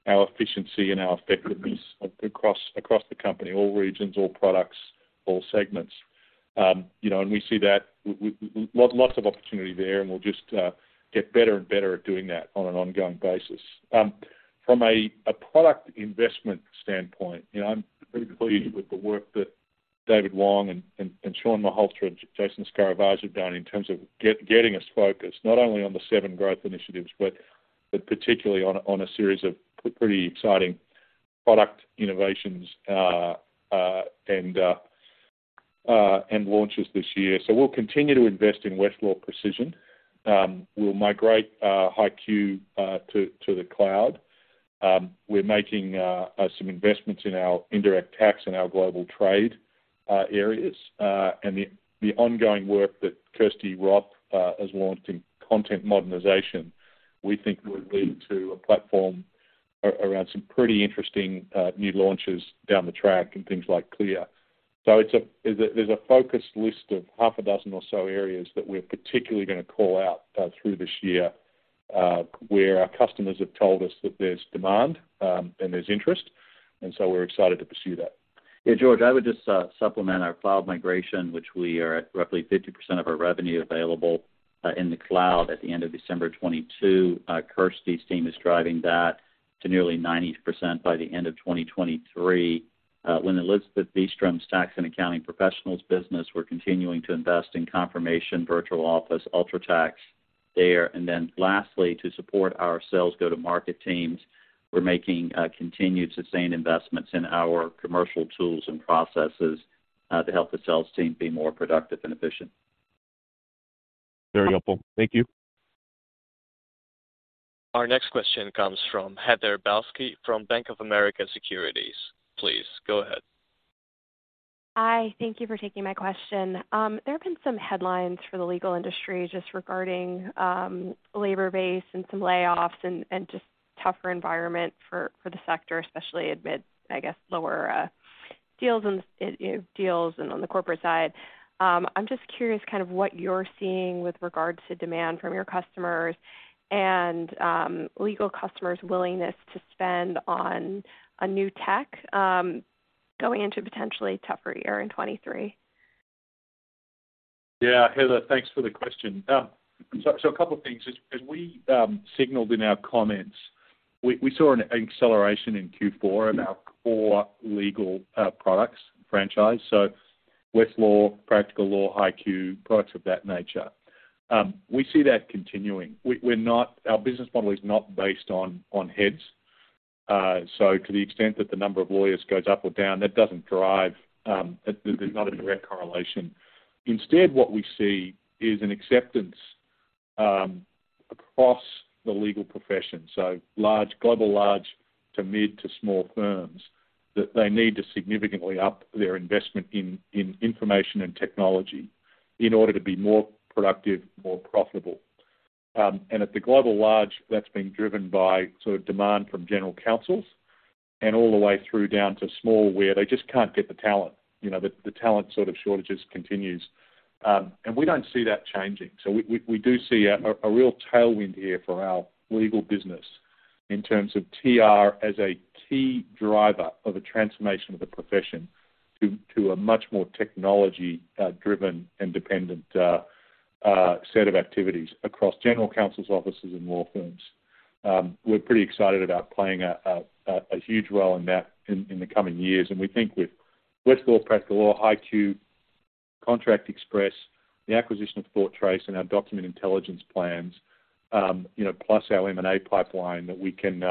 Speaker 3: our efficiency, and our effectiveness across the company, all regions, all products, all segments. you know, we see that with lots of opportunity there, we'll just get better and better at doing that on an ongoing basis. From a product investment standpoint, you know, I'm pretty pleased with the work that David Wong and Shawn Malhotra and Jason Escaravage have done in terms of getting us focused, not only on the seven growth initiatives, but particularly on a series of pretty exciting product innovations and launches this year. We'll continue to invest in Westlaw Precision. We'll migrate HighQ to the cloud. We're making some investments in our indirect tax and our Global Trade areas. The ongoing work that Kirsty Roth has launched in content modernization, we think will lead to a platform around some pretty interesting new launches down the track and things like CLEAR. There's a focused list of half a dozen or so areas that we're particularly gonna call out through this year where our customers have told us that there's demand and there's interest. We're excited to pursue that.
Speaker 4: Yeah, George, I would just supplement our cloud migration, which we are at roughly 50% of our revenue available in the cloud at the end of December 2022. Kirsty's team is driving that to nearly 90% by the end of 2023. When Elizabeth Bystrom's Tax & Accounting Professionals business, we're continuing to invest in Confirmation, Virtual Office, UltraTax there. Lastly, to support our sales go-to-market teams, we're making continued sustained investments in our commercial tools and processes to help the sales team be more productive and efficient.
Speaker 6: Very helpful. Thank you.
Speaker 1: Our next question comes from Heather Balsky from Bank of America Securities. Please go ahead.
Speaker 7: Hi. Thank you for taking my question. There have been some headlines for the legal industry just regarding labor base and some layoffs and just tougher environment for the sector, especially amid, I guess, lower deals and you know, deals and on the corporate side. I'm just curious kind of what you're seeing with regards to demand from your customers and legal customers' willingness to spend on a new tech going into potentially a tougher year in 2023.
Speaker 3: Yeah. Heather, thanks for the question. A couple of things. As we signaled in our comments, we saw an acceleration in Q4 in our core legal products franchise. Westlaw, Practical Law, HighQ, products of that nature. We see that continuing. Our business model is not based on heads. To the extent that the number of lawyers goes up or down, that doesn't drive, there's not a direct correlation. Instead, what we see is an acceptance across the legal profession, global large to mid to small firms, that they need to significantly up their investment in information and technology. In order to be more productive, more profitable. At the global large, that's been driven by sort of demand from general counsels and all the way through down to small, where they just can't get the talent. You know, the talent shortages continues. We don't see that changing. We do see a real tailwind here for our legal business in terms of TR as a key driver of a transformation of the profession to a much more technology-driven and dependent set of activities across general counsel's offices and law firms. We're pretty excited about playing a huge role in that in the coming years. We think with Westlaw, Practical Law, HighQ, Contract Express, the acquisition of ThoughtTrace, and our document intelligence plans, you know, plus our M&A pipeline, that we can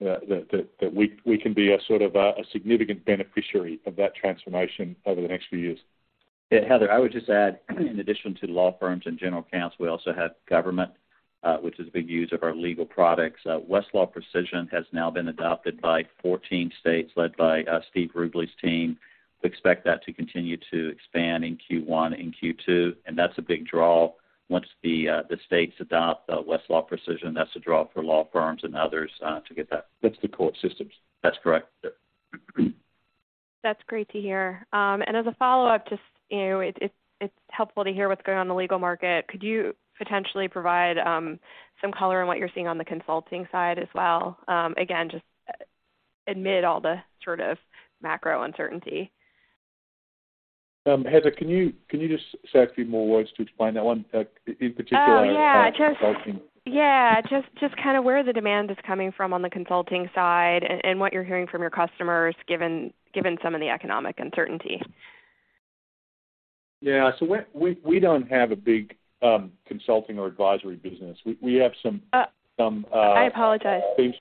Speaker 3: we can be a sort of, a significant beneficiary of that transformation over the next few years.
Speaker 4: Yeah, Heather, I would just add, in addition to law firms and general counsel, we also have government, which is a big user of our legal products. Westlaw Precision has now been adopted by 14 states, led by Steve Rubley's team. We expect that to continue to expand in Q1 and Q2, and that's a big draw. Once the states adopt Westlaw Precision, that's a draw for law firms and others to get that.
Speaker 3: That's the court systems.
Speaker 4: That's correct. Yep.
Speaker 7: That's great to hear. As a follow-up, just, you know, it's helpful to hear what's going on in the legal market. Could you potentially provide some color on what you're seeing on the consulting side as well? Again, just amid all the sort of macro uncertainty.
Speaker 3: Heather, can you just say a few more words to explain that one?
Speaker 7: Yeah. Yeah. Just kinda where the demand is coming from on the consulting side and what you're hearing from your customers, given some of the economic uncertainty.
Speaker 3: Yeah. We don't have a big consulting or advisory business. We have some.
Speaker 7: I apologize.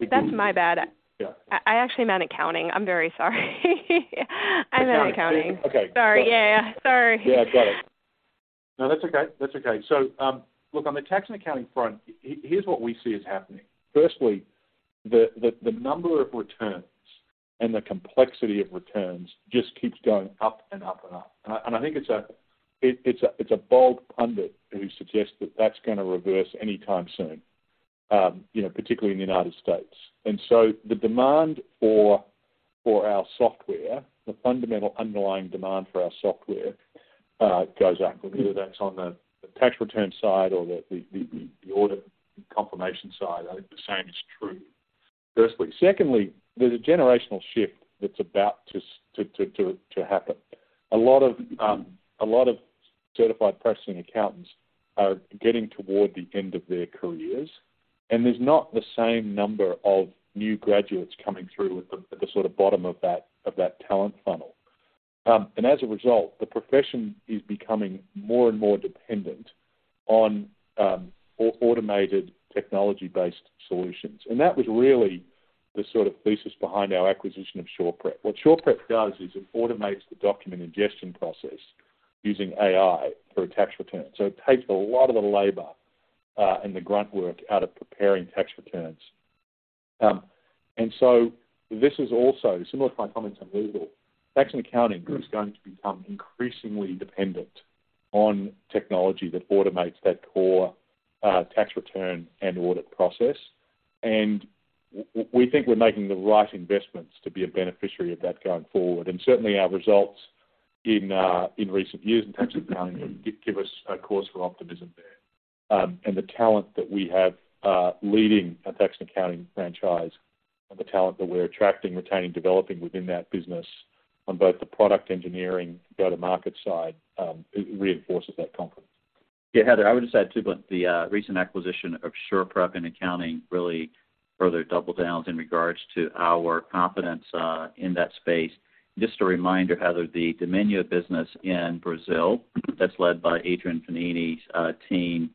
Speaker 7: That's my bad.
Speaker 3: Yeah.
Speaker 7: I actually meant accounting. I'm very sorry.
Speaker 3: Okay.
Speaker 7: I meant accounting.
Speaker 3: Okay.
Speaker 7: Sorry. Yeah. Sorry.
Speaker 3: Yeah, got it. No, that's okay. That's okay. Look, on the tax and accounting front, here's what we see is happening. Firstly, the number of returns and the complexity of returns just keeps going up and up and up. And I think it's a bold pundit who suggests that that's gonna reverse anytime soon, you know, particularly in the United States. The demand for our software, the fundamental underlying demand for our software, goes up. Whether that's on the tax return side or the audit confirmation side, I think the same is true, firstly. Secondly, there's a generational shift that's about to happen. A lot of certified practicing accountants are getting toward the end of their careers, and there's not the same number of new graduates coming through at the sort of bottom of that talent funnel. As a result, the profession is becoming more and more dependent on automated technology-based solutions. That was really the sort of thesis behind our acquisition of SurePrep. What SurePrep does is it automates the document ingestion process using AI for a tax return. It takes a lot of the labor and the grunt work out of preparing tax returns. This is also, similar to my comments on legal, tax and accounting is going to become increasingly dependent on technology that automates that core tax return and audit process. We think we're making the right investments to be a beneficiary of that going forward. Certainly, our results in recent years in Tax & Accounting give us a cause for optimism there. The talent that we have leading our Tax & Accounting franchise and the talent that we're attracting, retaining, developing within that business on both the product engineering go-to-market side, it reinforces that confidence.
Speaker 4: Heather, I would just add too that the recent acquisition of SurePrep in accounting really further double downs in regards to our confidence in that space. Just a reminder, Heather, the Domínio business in Brazil that's led by Adrian Fognini's team,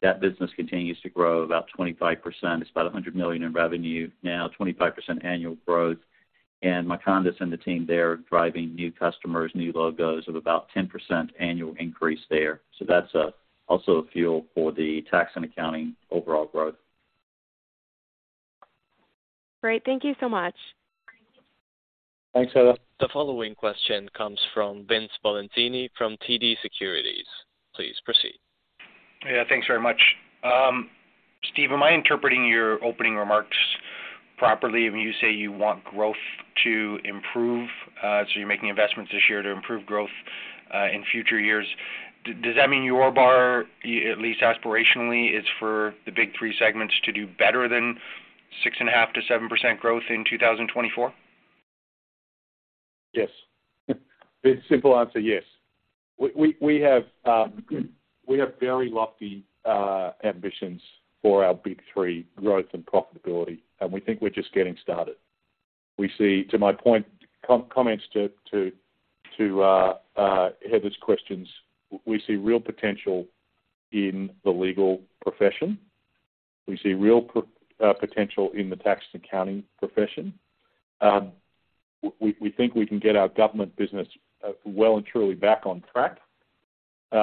Speaker 4: that business continues to grow about 25%. It's about $100 million in revenue now, 25% annual growth. Makanda and the team there are driving new customers, new logos of about 10% annual increase there. That's also a fuel for the Tax & Accounting overall growth.
Speaker 7: Great. Thank you so much.
Speaker 3: Thanks, Heather.
Speaker 1: The following question comes from Vince Valentini from TD Securities. Please proceed.
Speaker 8: Yeah. Thanks very much. Steve, am I interpreting your opening remarks properly when you say you want growth to improve, so you're making investments this year to improve growth in future years? Does that mean your bar, at least aspirationally, is for the Big 3 segments to do better than 6.5%-7% growth in 2024?
Speaker 3: Yes. Vince, simple answer, yes. We have very lofty ambitions for our Big 3 growth and profitability, and we think we're just getting started. We see, to my point, comments to Heather's questions, we see real potential in the legal profession. We see real potential in the tax and accounting profession. We think we can get our government business well and truly back on track. We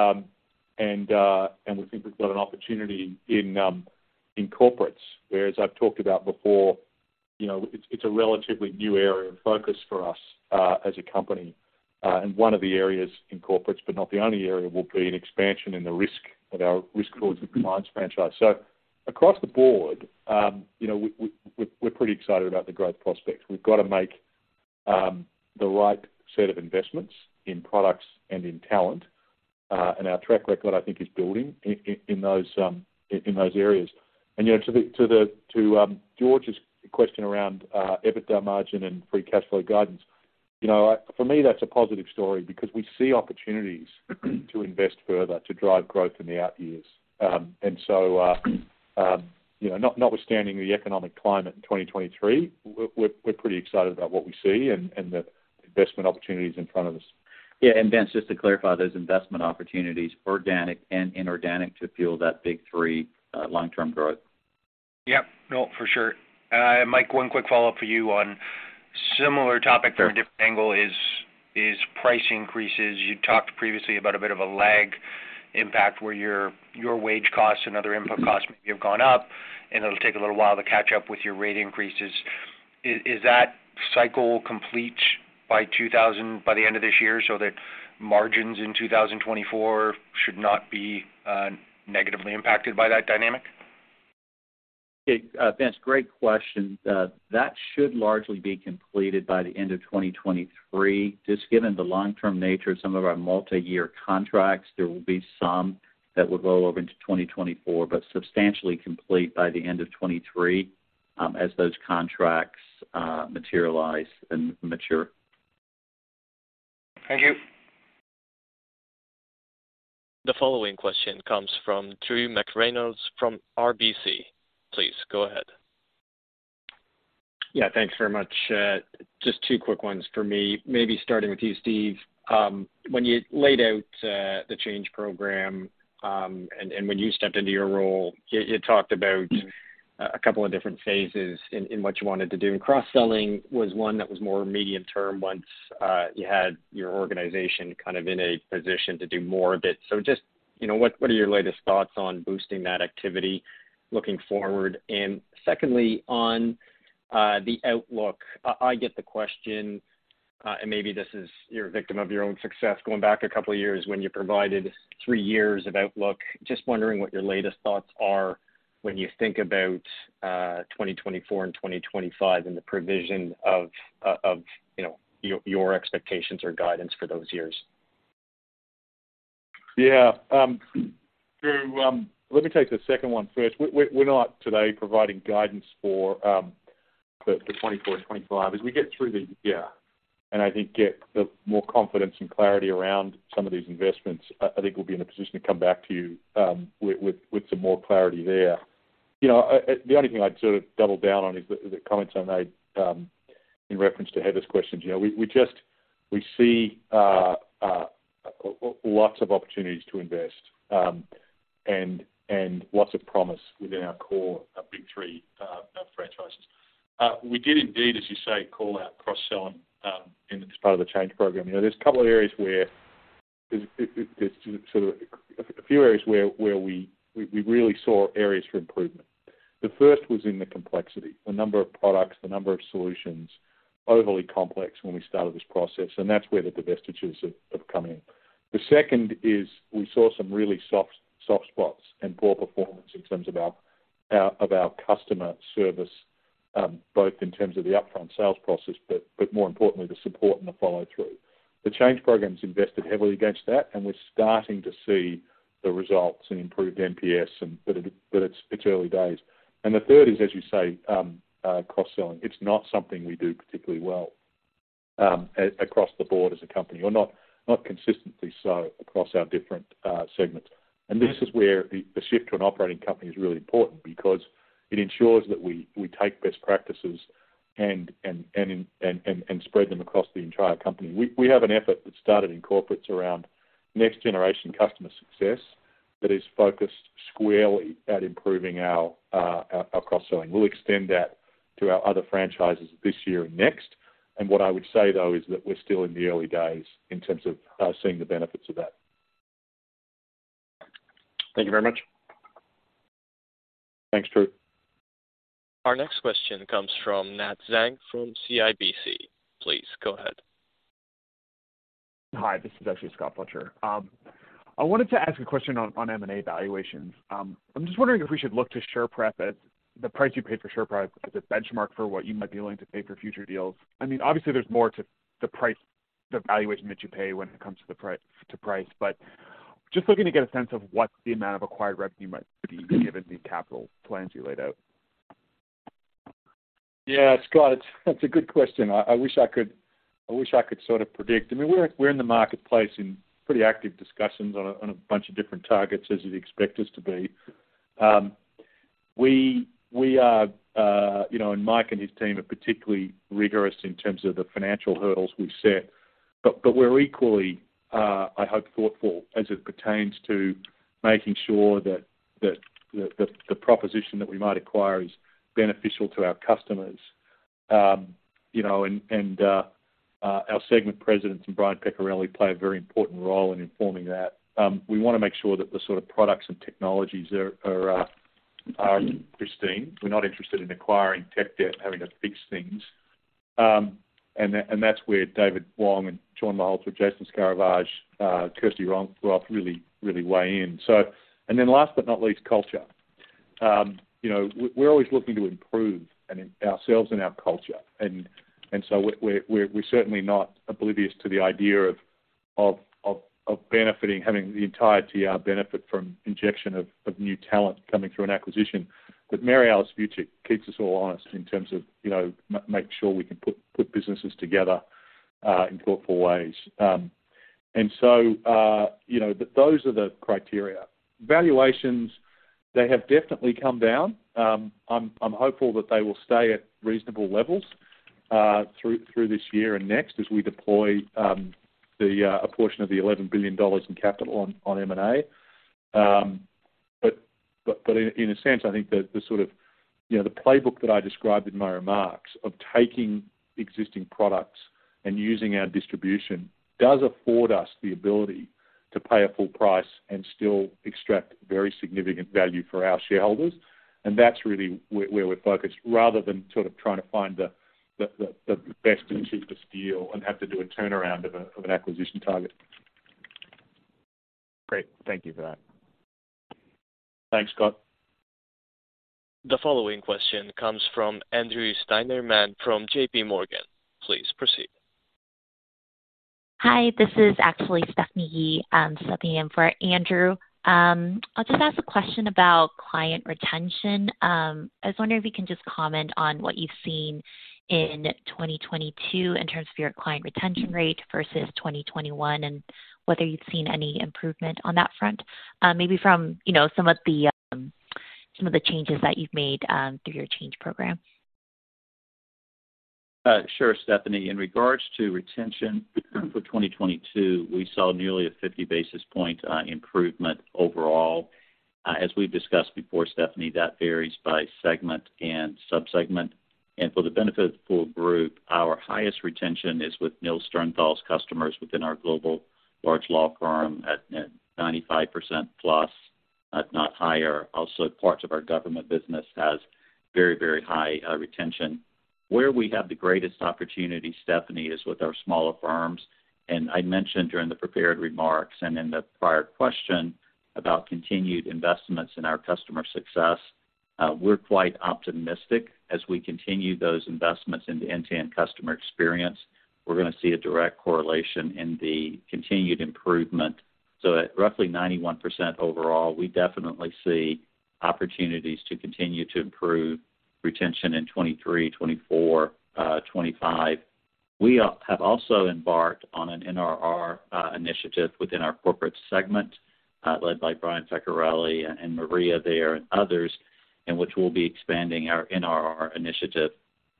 Speaker 3: think we've got an opportunity in Corporates, whereas I've talked about before. You know, it's a relatively new area of focus for us as a company. One of the areas in Corporates, but not the only area, will be an expansion in the risk that our risk towards the clients franchise. Across the board, you know, we're pretty excited about the growth prospects. We've got to make the right set of investments in products and in talent, and our track record, I think, is building in those areas. You know, to the George's question around EBITDA margin and free cash flow guidance. You know, for me, that's a positive story because we see opportunities to invest further to drive growth in the out years. You know, notwithstanding the economic climate in 2023, we're pretty excited about what we see and the investment opportunities in front of us.
Speaker 4: Yeah. Vince, just to clarify those investment opportunities, organic and inorganic to fuel that Big 3, long-term growth.
Speaker 8: Yeah. No, for sure. Mike, one quick follow-up for you on similar topic from a different angle is price increases. You talked previously about a bit of a lag impact where your wage costs and other input costs may have gone up, and it'll take a little while to catch up with your rate increases. Is that cycle complete by the end of this year so that margins in 2024 should not be negatively impacted by that dynamic?
Speaker 4: Yeah. Vince, great question. That should largely be completed by the end of 2023. Just given the long-term nature of some of our multiyear contracts, there will be some that will roll over into 2024, but substantially complete by the end of 2023, as those contracts materialize and mature.
Speaker 8: Thank you.
Speaker 1: The following question comes from Drew McReynolds from RBC. Please go ahead.
Speaker 9: Yeah, thanks very much. Just two quick ones for me. Maybe starting with you, Steve. When you laid out the Change Program and when you stepped into your role, you talked about a couple of different phases in what you wanted to do. Cross-selling was one that was more medium-term once you had your organization kind of in a position to do more of it. Just, you know, what are your latest thoughts on boosting that activity looking forward? Secondly, on the outlook. I get the question, and maybe this is you're a victim of your own success. Going back a couple of years when you provided three years of outlook, just wondering what your latest thoughts are when you think about 2024 and 2025 and the provision of, you know, your expectations or guidance for those years.
Speaker 3: Yeah. Drew, let me take the second one first. We're not today providing guidance for the 2024 and 2025. As we get through the year and I think get the more confidence and clarity around some of these investments, I think we'll be in a position to come back to you with some more clarity there. You know, the only thing I'd sort of double down on is the comments I made in reference to Heather's questions. You know, we see lots of opportunities to invest and lots of promise within our core, our Big 3 franchises. We did indeed, as you say, call out cross-selling in this part of the Change Program. You know, there's a couple of areas where there's sort of a few areas where we really saw areas for improvement. The first was in the complexity, the number of products, the number of solutions, overly complex when we started this process, and that's where the divestitures have come in. The second is we saw some really soft spots and poor performance in terms of of our customer service, both in terms of the upfront sales process, but more importantly, the support and the follow through. The Change Program's invested heavily against that, and we're starting to see the results in improved NPS, but it's early days. The third is, as you say, cross-selling. It's not something we do particularly well, across the board as a company or not consistently so across our different segments. This is where the shift to an operating company is really important because it ensures that we take best practices and spread them across the entire company. We have an effort that started in Corporates around next generation customer success that is focused squarely at improving our cross-selling. We'll extend that to our other franchises this year and next. What I would say, though, is that we're still in the early days in terms of seeing the benefits of that.
Speaker 9: Thank you very much.
Speaker 3: Thanks, Drew.
Speaker 1: Our next question comes from Nat Zhang from CIBC. Please go ahead.
Speaker 10: Hi, this is actually Scott Butcher. I wanted to ask a question on M&A valuations. I'm just wondering if we should look to SurePrep at the price you paid for SurePrep as a benchmark for what you might be willing to pay for future deals. I mean, obviously there's more to the price, the valuation that you pay when it comes to the price. Just looking to get a sense of what the amount of acquired revenue might be given the capital plans you laid out.
Speaker 3: Yeah, Scott, that's a good question. I wish I could sort of predict. I mean, we're in the marketplace in pretty active discussions on a bunch of different targets as you'd expect us to be. We are, you know, and Mike and his team are particularly rigorous in terms of the financial hurdles we've set. We're equally, I hope, thoughtful as it pertains to making sure that the proposition that we might acquire is beneficial to our customers. You know. Our segment presidents and Brian Peccarelli play a very important role in informing that. We wanna make sure that the sort of products and technologies are pristine. We're not interested in acquiring tech debt, having to fix things. And that's where David Wong and Shawn Malhotra, Jason Escaravage, Kirsty Roth really, really weigh in. Last but not least, culture. You know, we're always looking to improve ourselves and our culture. We're certainly not oblivious to the idea of, of benefiting, having the entire TR benefit from injection of new talent coming through an acquisition. But Mary Alice Vuicic keeps us all honest in terms of, you know, make sure we can put businesses together in thoughtful ways. You know, but those are the criteria. Valuations, they have definitely come down. I'm hopeful that they will stay at reasonable levels through this year and next as we deploy a portion of the $11 billion in capital on M&A. In a sense, I think the sort of, you know, the playbook that I described in my remarks of taking existing products and using our distribution does afford us the ability to pay a full price and still extract very significant value for our shareholders. That's really where we're focused rather than sort of trying to find the best and cheapest deal and have to do a turnaround of an acquisition target.
Speaker 10: Great. Thank you for that.
Speaker 4: Thanks, Scott.
Speaker 1: The following question comes from Andrew Steinerman from JPMorgan. Please proceed.
Speaker 11: Hi, this is actually Stephanie Yee, stepping in for Andrew. I'll just ask a question about client retention. I was wondering if you can just comment on what you've seen in 2022 in terms of your client retention rate versus 2021, and whether you've seen any improvement on that front, maybe from, you know, some of the, some of the changes that you've made through your Change Program.
Speaker 4: Sure, Stephanie. In regards to retention, for 2022, we saw nearly a 50 basis point improvement overall. As we've discussed before, Stephanie, that varies by segment and sub-segment. For the benefit of the full group, our highest retention is with Nils Sterntahl's customers within our global large law firm at 95% plus, if not higher. Also, parts of our government business has very high retention. Where we have the greatest opportunity, Stephanie, is with our smaller firms. I mentioned during the prepared remarks and in the prior question about continued investments in our customer success. We're quite optimistic as we continue those investments in the end-to-end customer experience. We're gonna see a direct correlation in the continued improvement. At roughly 91% overall, we definitely see opportunities to continue to improve retention in 2023, 2024, 2025. We have also embarked on an NRR initiative within our corporate segment, led by Brian Peccarelli and Maria there and others, in which we'll be expanding our NRR initiative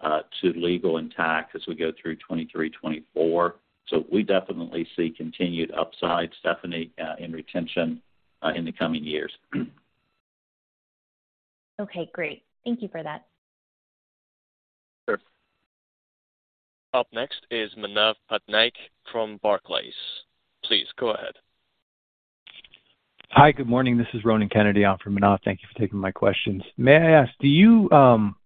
Speaker 4: to legal and tax as we go through 2023, 2024. We definitely see continued upside, Stephanie, in retention, in the coming years.
Speaker 11: Okay, great. Thank you for that.
Speaker 4: Sure.
Speaker 1: Up next is Manav Patnaik from Barclays. Please go ahead.
Speaker 12: Hi. Good morning. This is Ronan Kennedy on for Manav. Thank you for taking my questions. May I ask, do you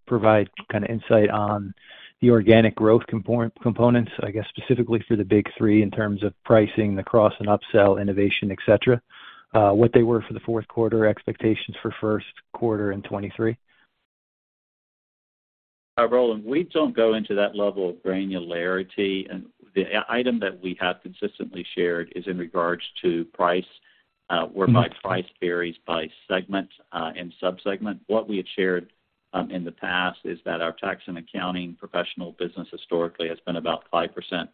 Speaker 12: provide kind of insight on the organic growth components, I guess, specifically for the Big 3 in terms of pricing, the cross and upsell, innovation, et cetera, what they were for the fourth quarter, expectations for first quarter in 2023?
Speaker 4: Ronan, we don't go into that level of granularity. The item that we have consistently shared is in regards to price, whereby price varies by segment and sub-segment. What we had shared in the past is that our Tax & Accounting Professionals business historically has been about 5%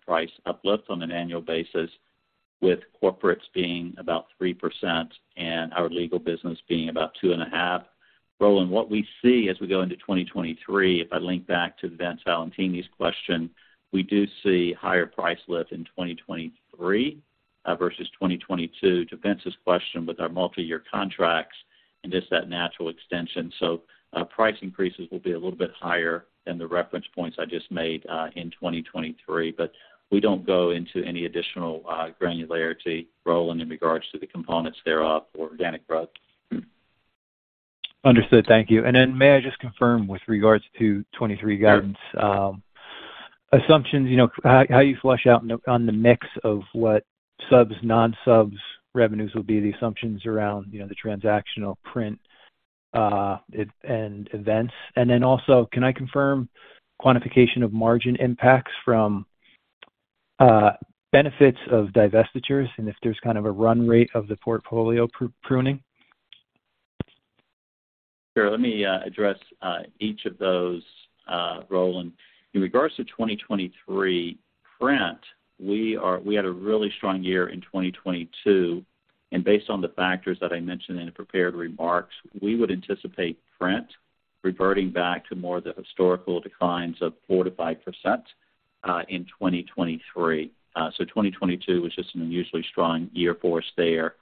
Speaker 4: price uplift on an annual basis, with Corporates being about 3% and our Legal business being about 2.5%. Ronan, what we see as we go into 2023, if I link back to Vince Valentini's question, we do see higher price lift in 2023 versus 2022 to Vince's question with our multiyear contracts and just that natural extension. Price increases will be a little bit higher than the reference points I just made in 2023. We don't go into any additional granularity, Ronan, in regards to the components thereof for organic growth.
Speaker 12: Understood. Thank you. May I just confirm with regards to 2023 guidance? Assumptions, you know, how you flush out on the mix of what subs, non-subs revenues will be, the assumptions around, you know, the transactional print, and events? Can I confirm quantification of margin impacts from benefits of divestitures, and if there's kind of a run rate of the portfolio pruning?
Speaker 4: Sure. Let me address each of those, Ronan. In regards to 2023 print, we had a really strong year in 2022, based on the factors that I mentioned in the prepared remarks, we would anticipate print reverting back to more of the historical declines of 4%-5% in 2023. 2022 was just an unusually strong year for us there.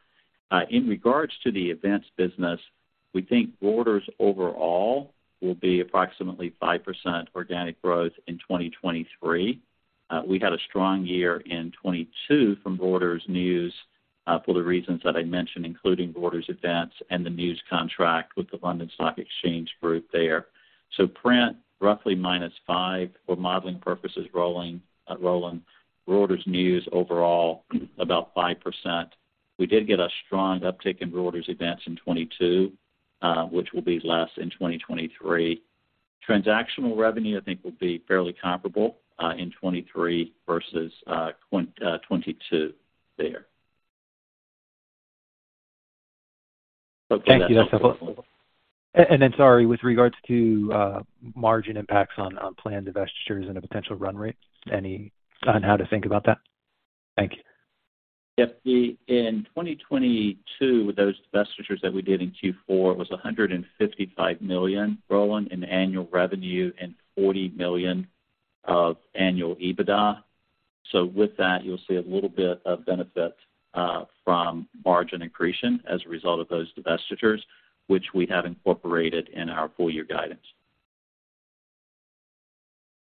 Speaker 4: In regards to the events business, we think Reuters overall will be approximately 5% organic growth in 2023. We had a strong year in 2022 from Reuters News, for the reasons that I mentioned, including Reuters Events and the news contract with the London Stock Exchange Group there. Print roughly -5% for modeling purposes, Ronan. Reuters News overall about 5%. We did get a strong uptick in Reuters Events in 2022, which will be less in 2023. Transactional revenue I think will be fairly comparable in 2023 versus 2022 there.
Speaker 12: Thank you. That's helpful. Sorry, with regards to margin impacts on planned divestitures and a potential run rate, any on how to think about that? Thank you.
Speaker 4: Yes, in 2022, those divestitures that we did in Q4 was $155 million, Ronan, in annual revenue and $40 million of annual EBITDA. With that, you'll see a little bit of benefit from margin accretion as a result of those divestitures, which we have incorporated in our full year guidance.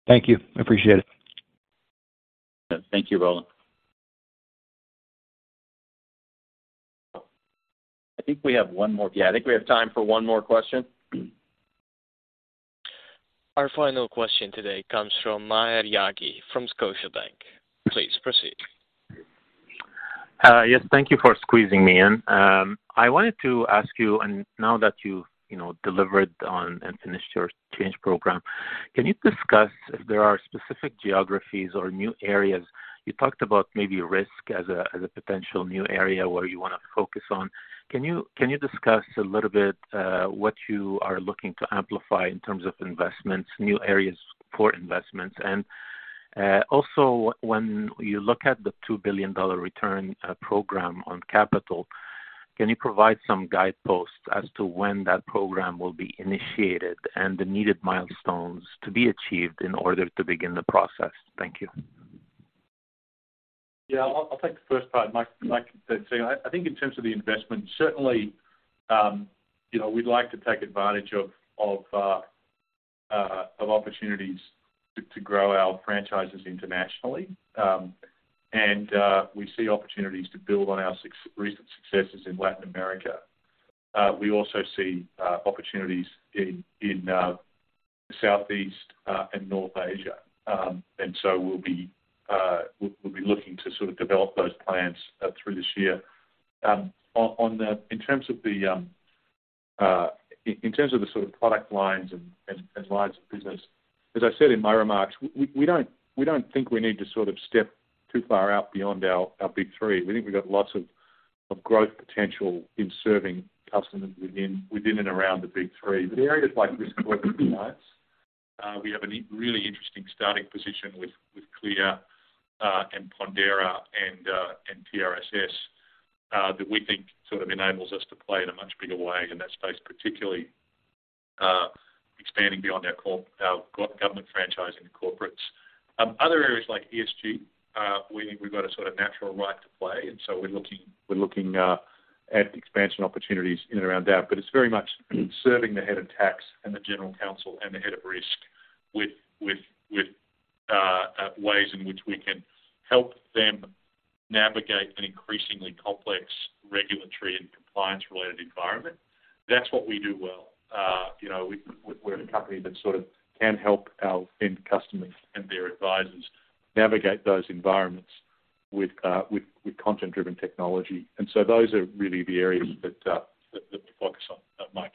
Speaker 12: Thank you. Appreciate it.
Speaker 4: Thank you, Ronan. I think we have one more. Yeah, I think we have time for one more question.
Speaker 1: Our final question today comes from Maher Yaghi from Scotiabank. Please proceed.
Speaker 13: Yes, thank you for squeezing me in. I wanted to ask you, now that you know, delivered on and finished your Change Program, can you discuss if there are specific geographies or new areas? You talked about maybe risk as a potential new area where you want to focus on. Can you discuss a little bit what you are looking to amplify in terms of investments, new areas for investments? Also when you look at the $2 billion return program on capital, can you provide some guideposts as to when that program will be initiated and the needed milestones to be achieved in order to begin the process? Thank you.
Speaker 3: Yeah, I'll take the first part, Mike. I think in terms of the investment, certainly, you know, we'd like to take advantage of opportunities to grow our franchises internationally. We see opportunities to build on our recent successes in Latin America. We also see opportunities in Southeast and North Asia. We'll be looking to sort of develop those plans through this year. In terms of the sort of product lines and lines of business, as I said in my remarks, we don't think we need to sort of step too far out beyond our Big 3. We think we've got lots of growth potential in serving customers within and around the Big 3. Areas like risk and compliance, we have a really interesting starting position with CLEAR and Pondera and TRSS that we think sort of enables us to play in a much bigger way in that space, particularly expanding beyond our government franchise into corporates. Other areas like ESG, we think we've got a sort of natural right to play, we're looking at expansion opportunities in and around that. It's very much serving the head of tax and the general counsel and the head of risk with ways in which we can help them navigate an increasingly complex regulatory and compliance-related environment. That's what we do well. you know, we're a company that sort of can help our end customers and their advisors navigate those environments with content-driven technology. those are really the areas that we're focused on, Mike.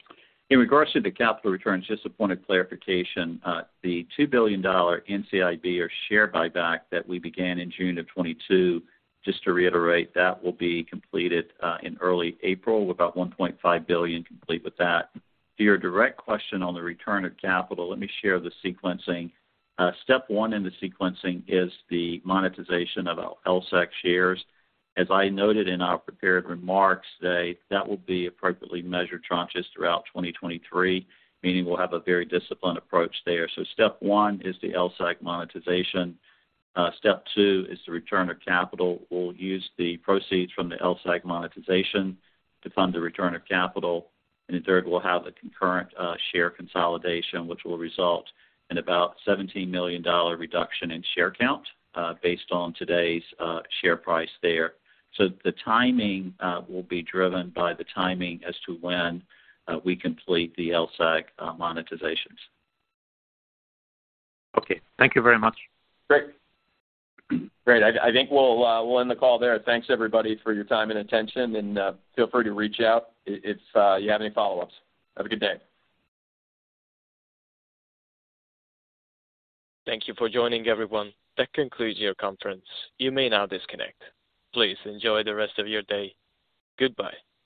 Speaker 4: In regards to the capital returns, just a point of clarification. The $2 billion NCIB or share buyback that we began in June of 2022, just to reiterate, that will be completed in early April, with about $1.5 billion complete with that. To your direct question on the return of capital, let me share the sequencing. Step one in the sequencing is the monetization of our LSEG shares. As I noted in our prepared remarks today, that will be appropriately measured tranches throughout 2023, meaning we'll have a very disciplined approach there. Step one is the LSEG monetization. Step two is the return of capital. We'll use the proceeds from the LSEG monetization to fund the return of capital. Third, we'll have a concurrent share consolidation, which will result in about $17 million reduction in share count, based on today's share price there. The timing will be driven by the timing as to when we complete the LSEG monetizations.
Speaker 13: Okay. Thank you very much.
Speaker 4: Great. Great. I think we'll end the call there. Thanks, everybody, for your time and attention and feel free to reach out if you have any follow-ups. Have a good day.
Speaker 1: Thank you for joining, everyone. That concludes your conference. You may now disconnect. Please enjoy the rest of your day. Goodbye.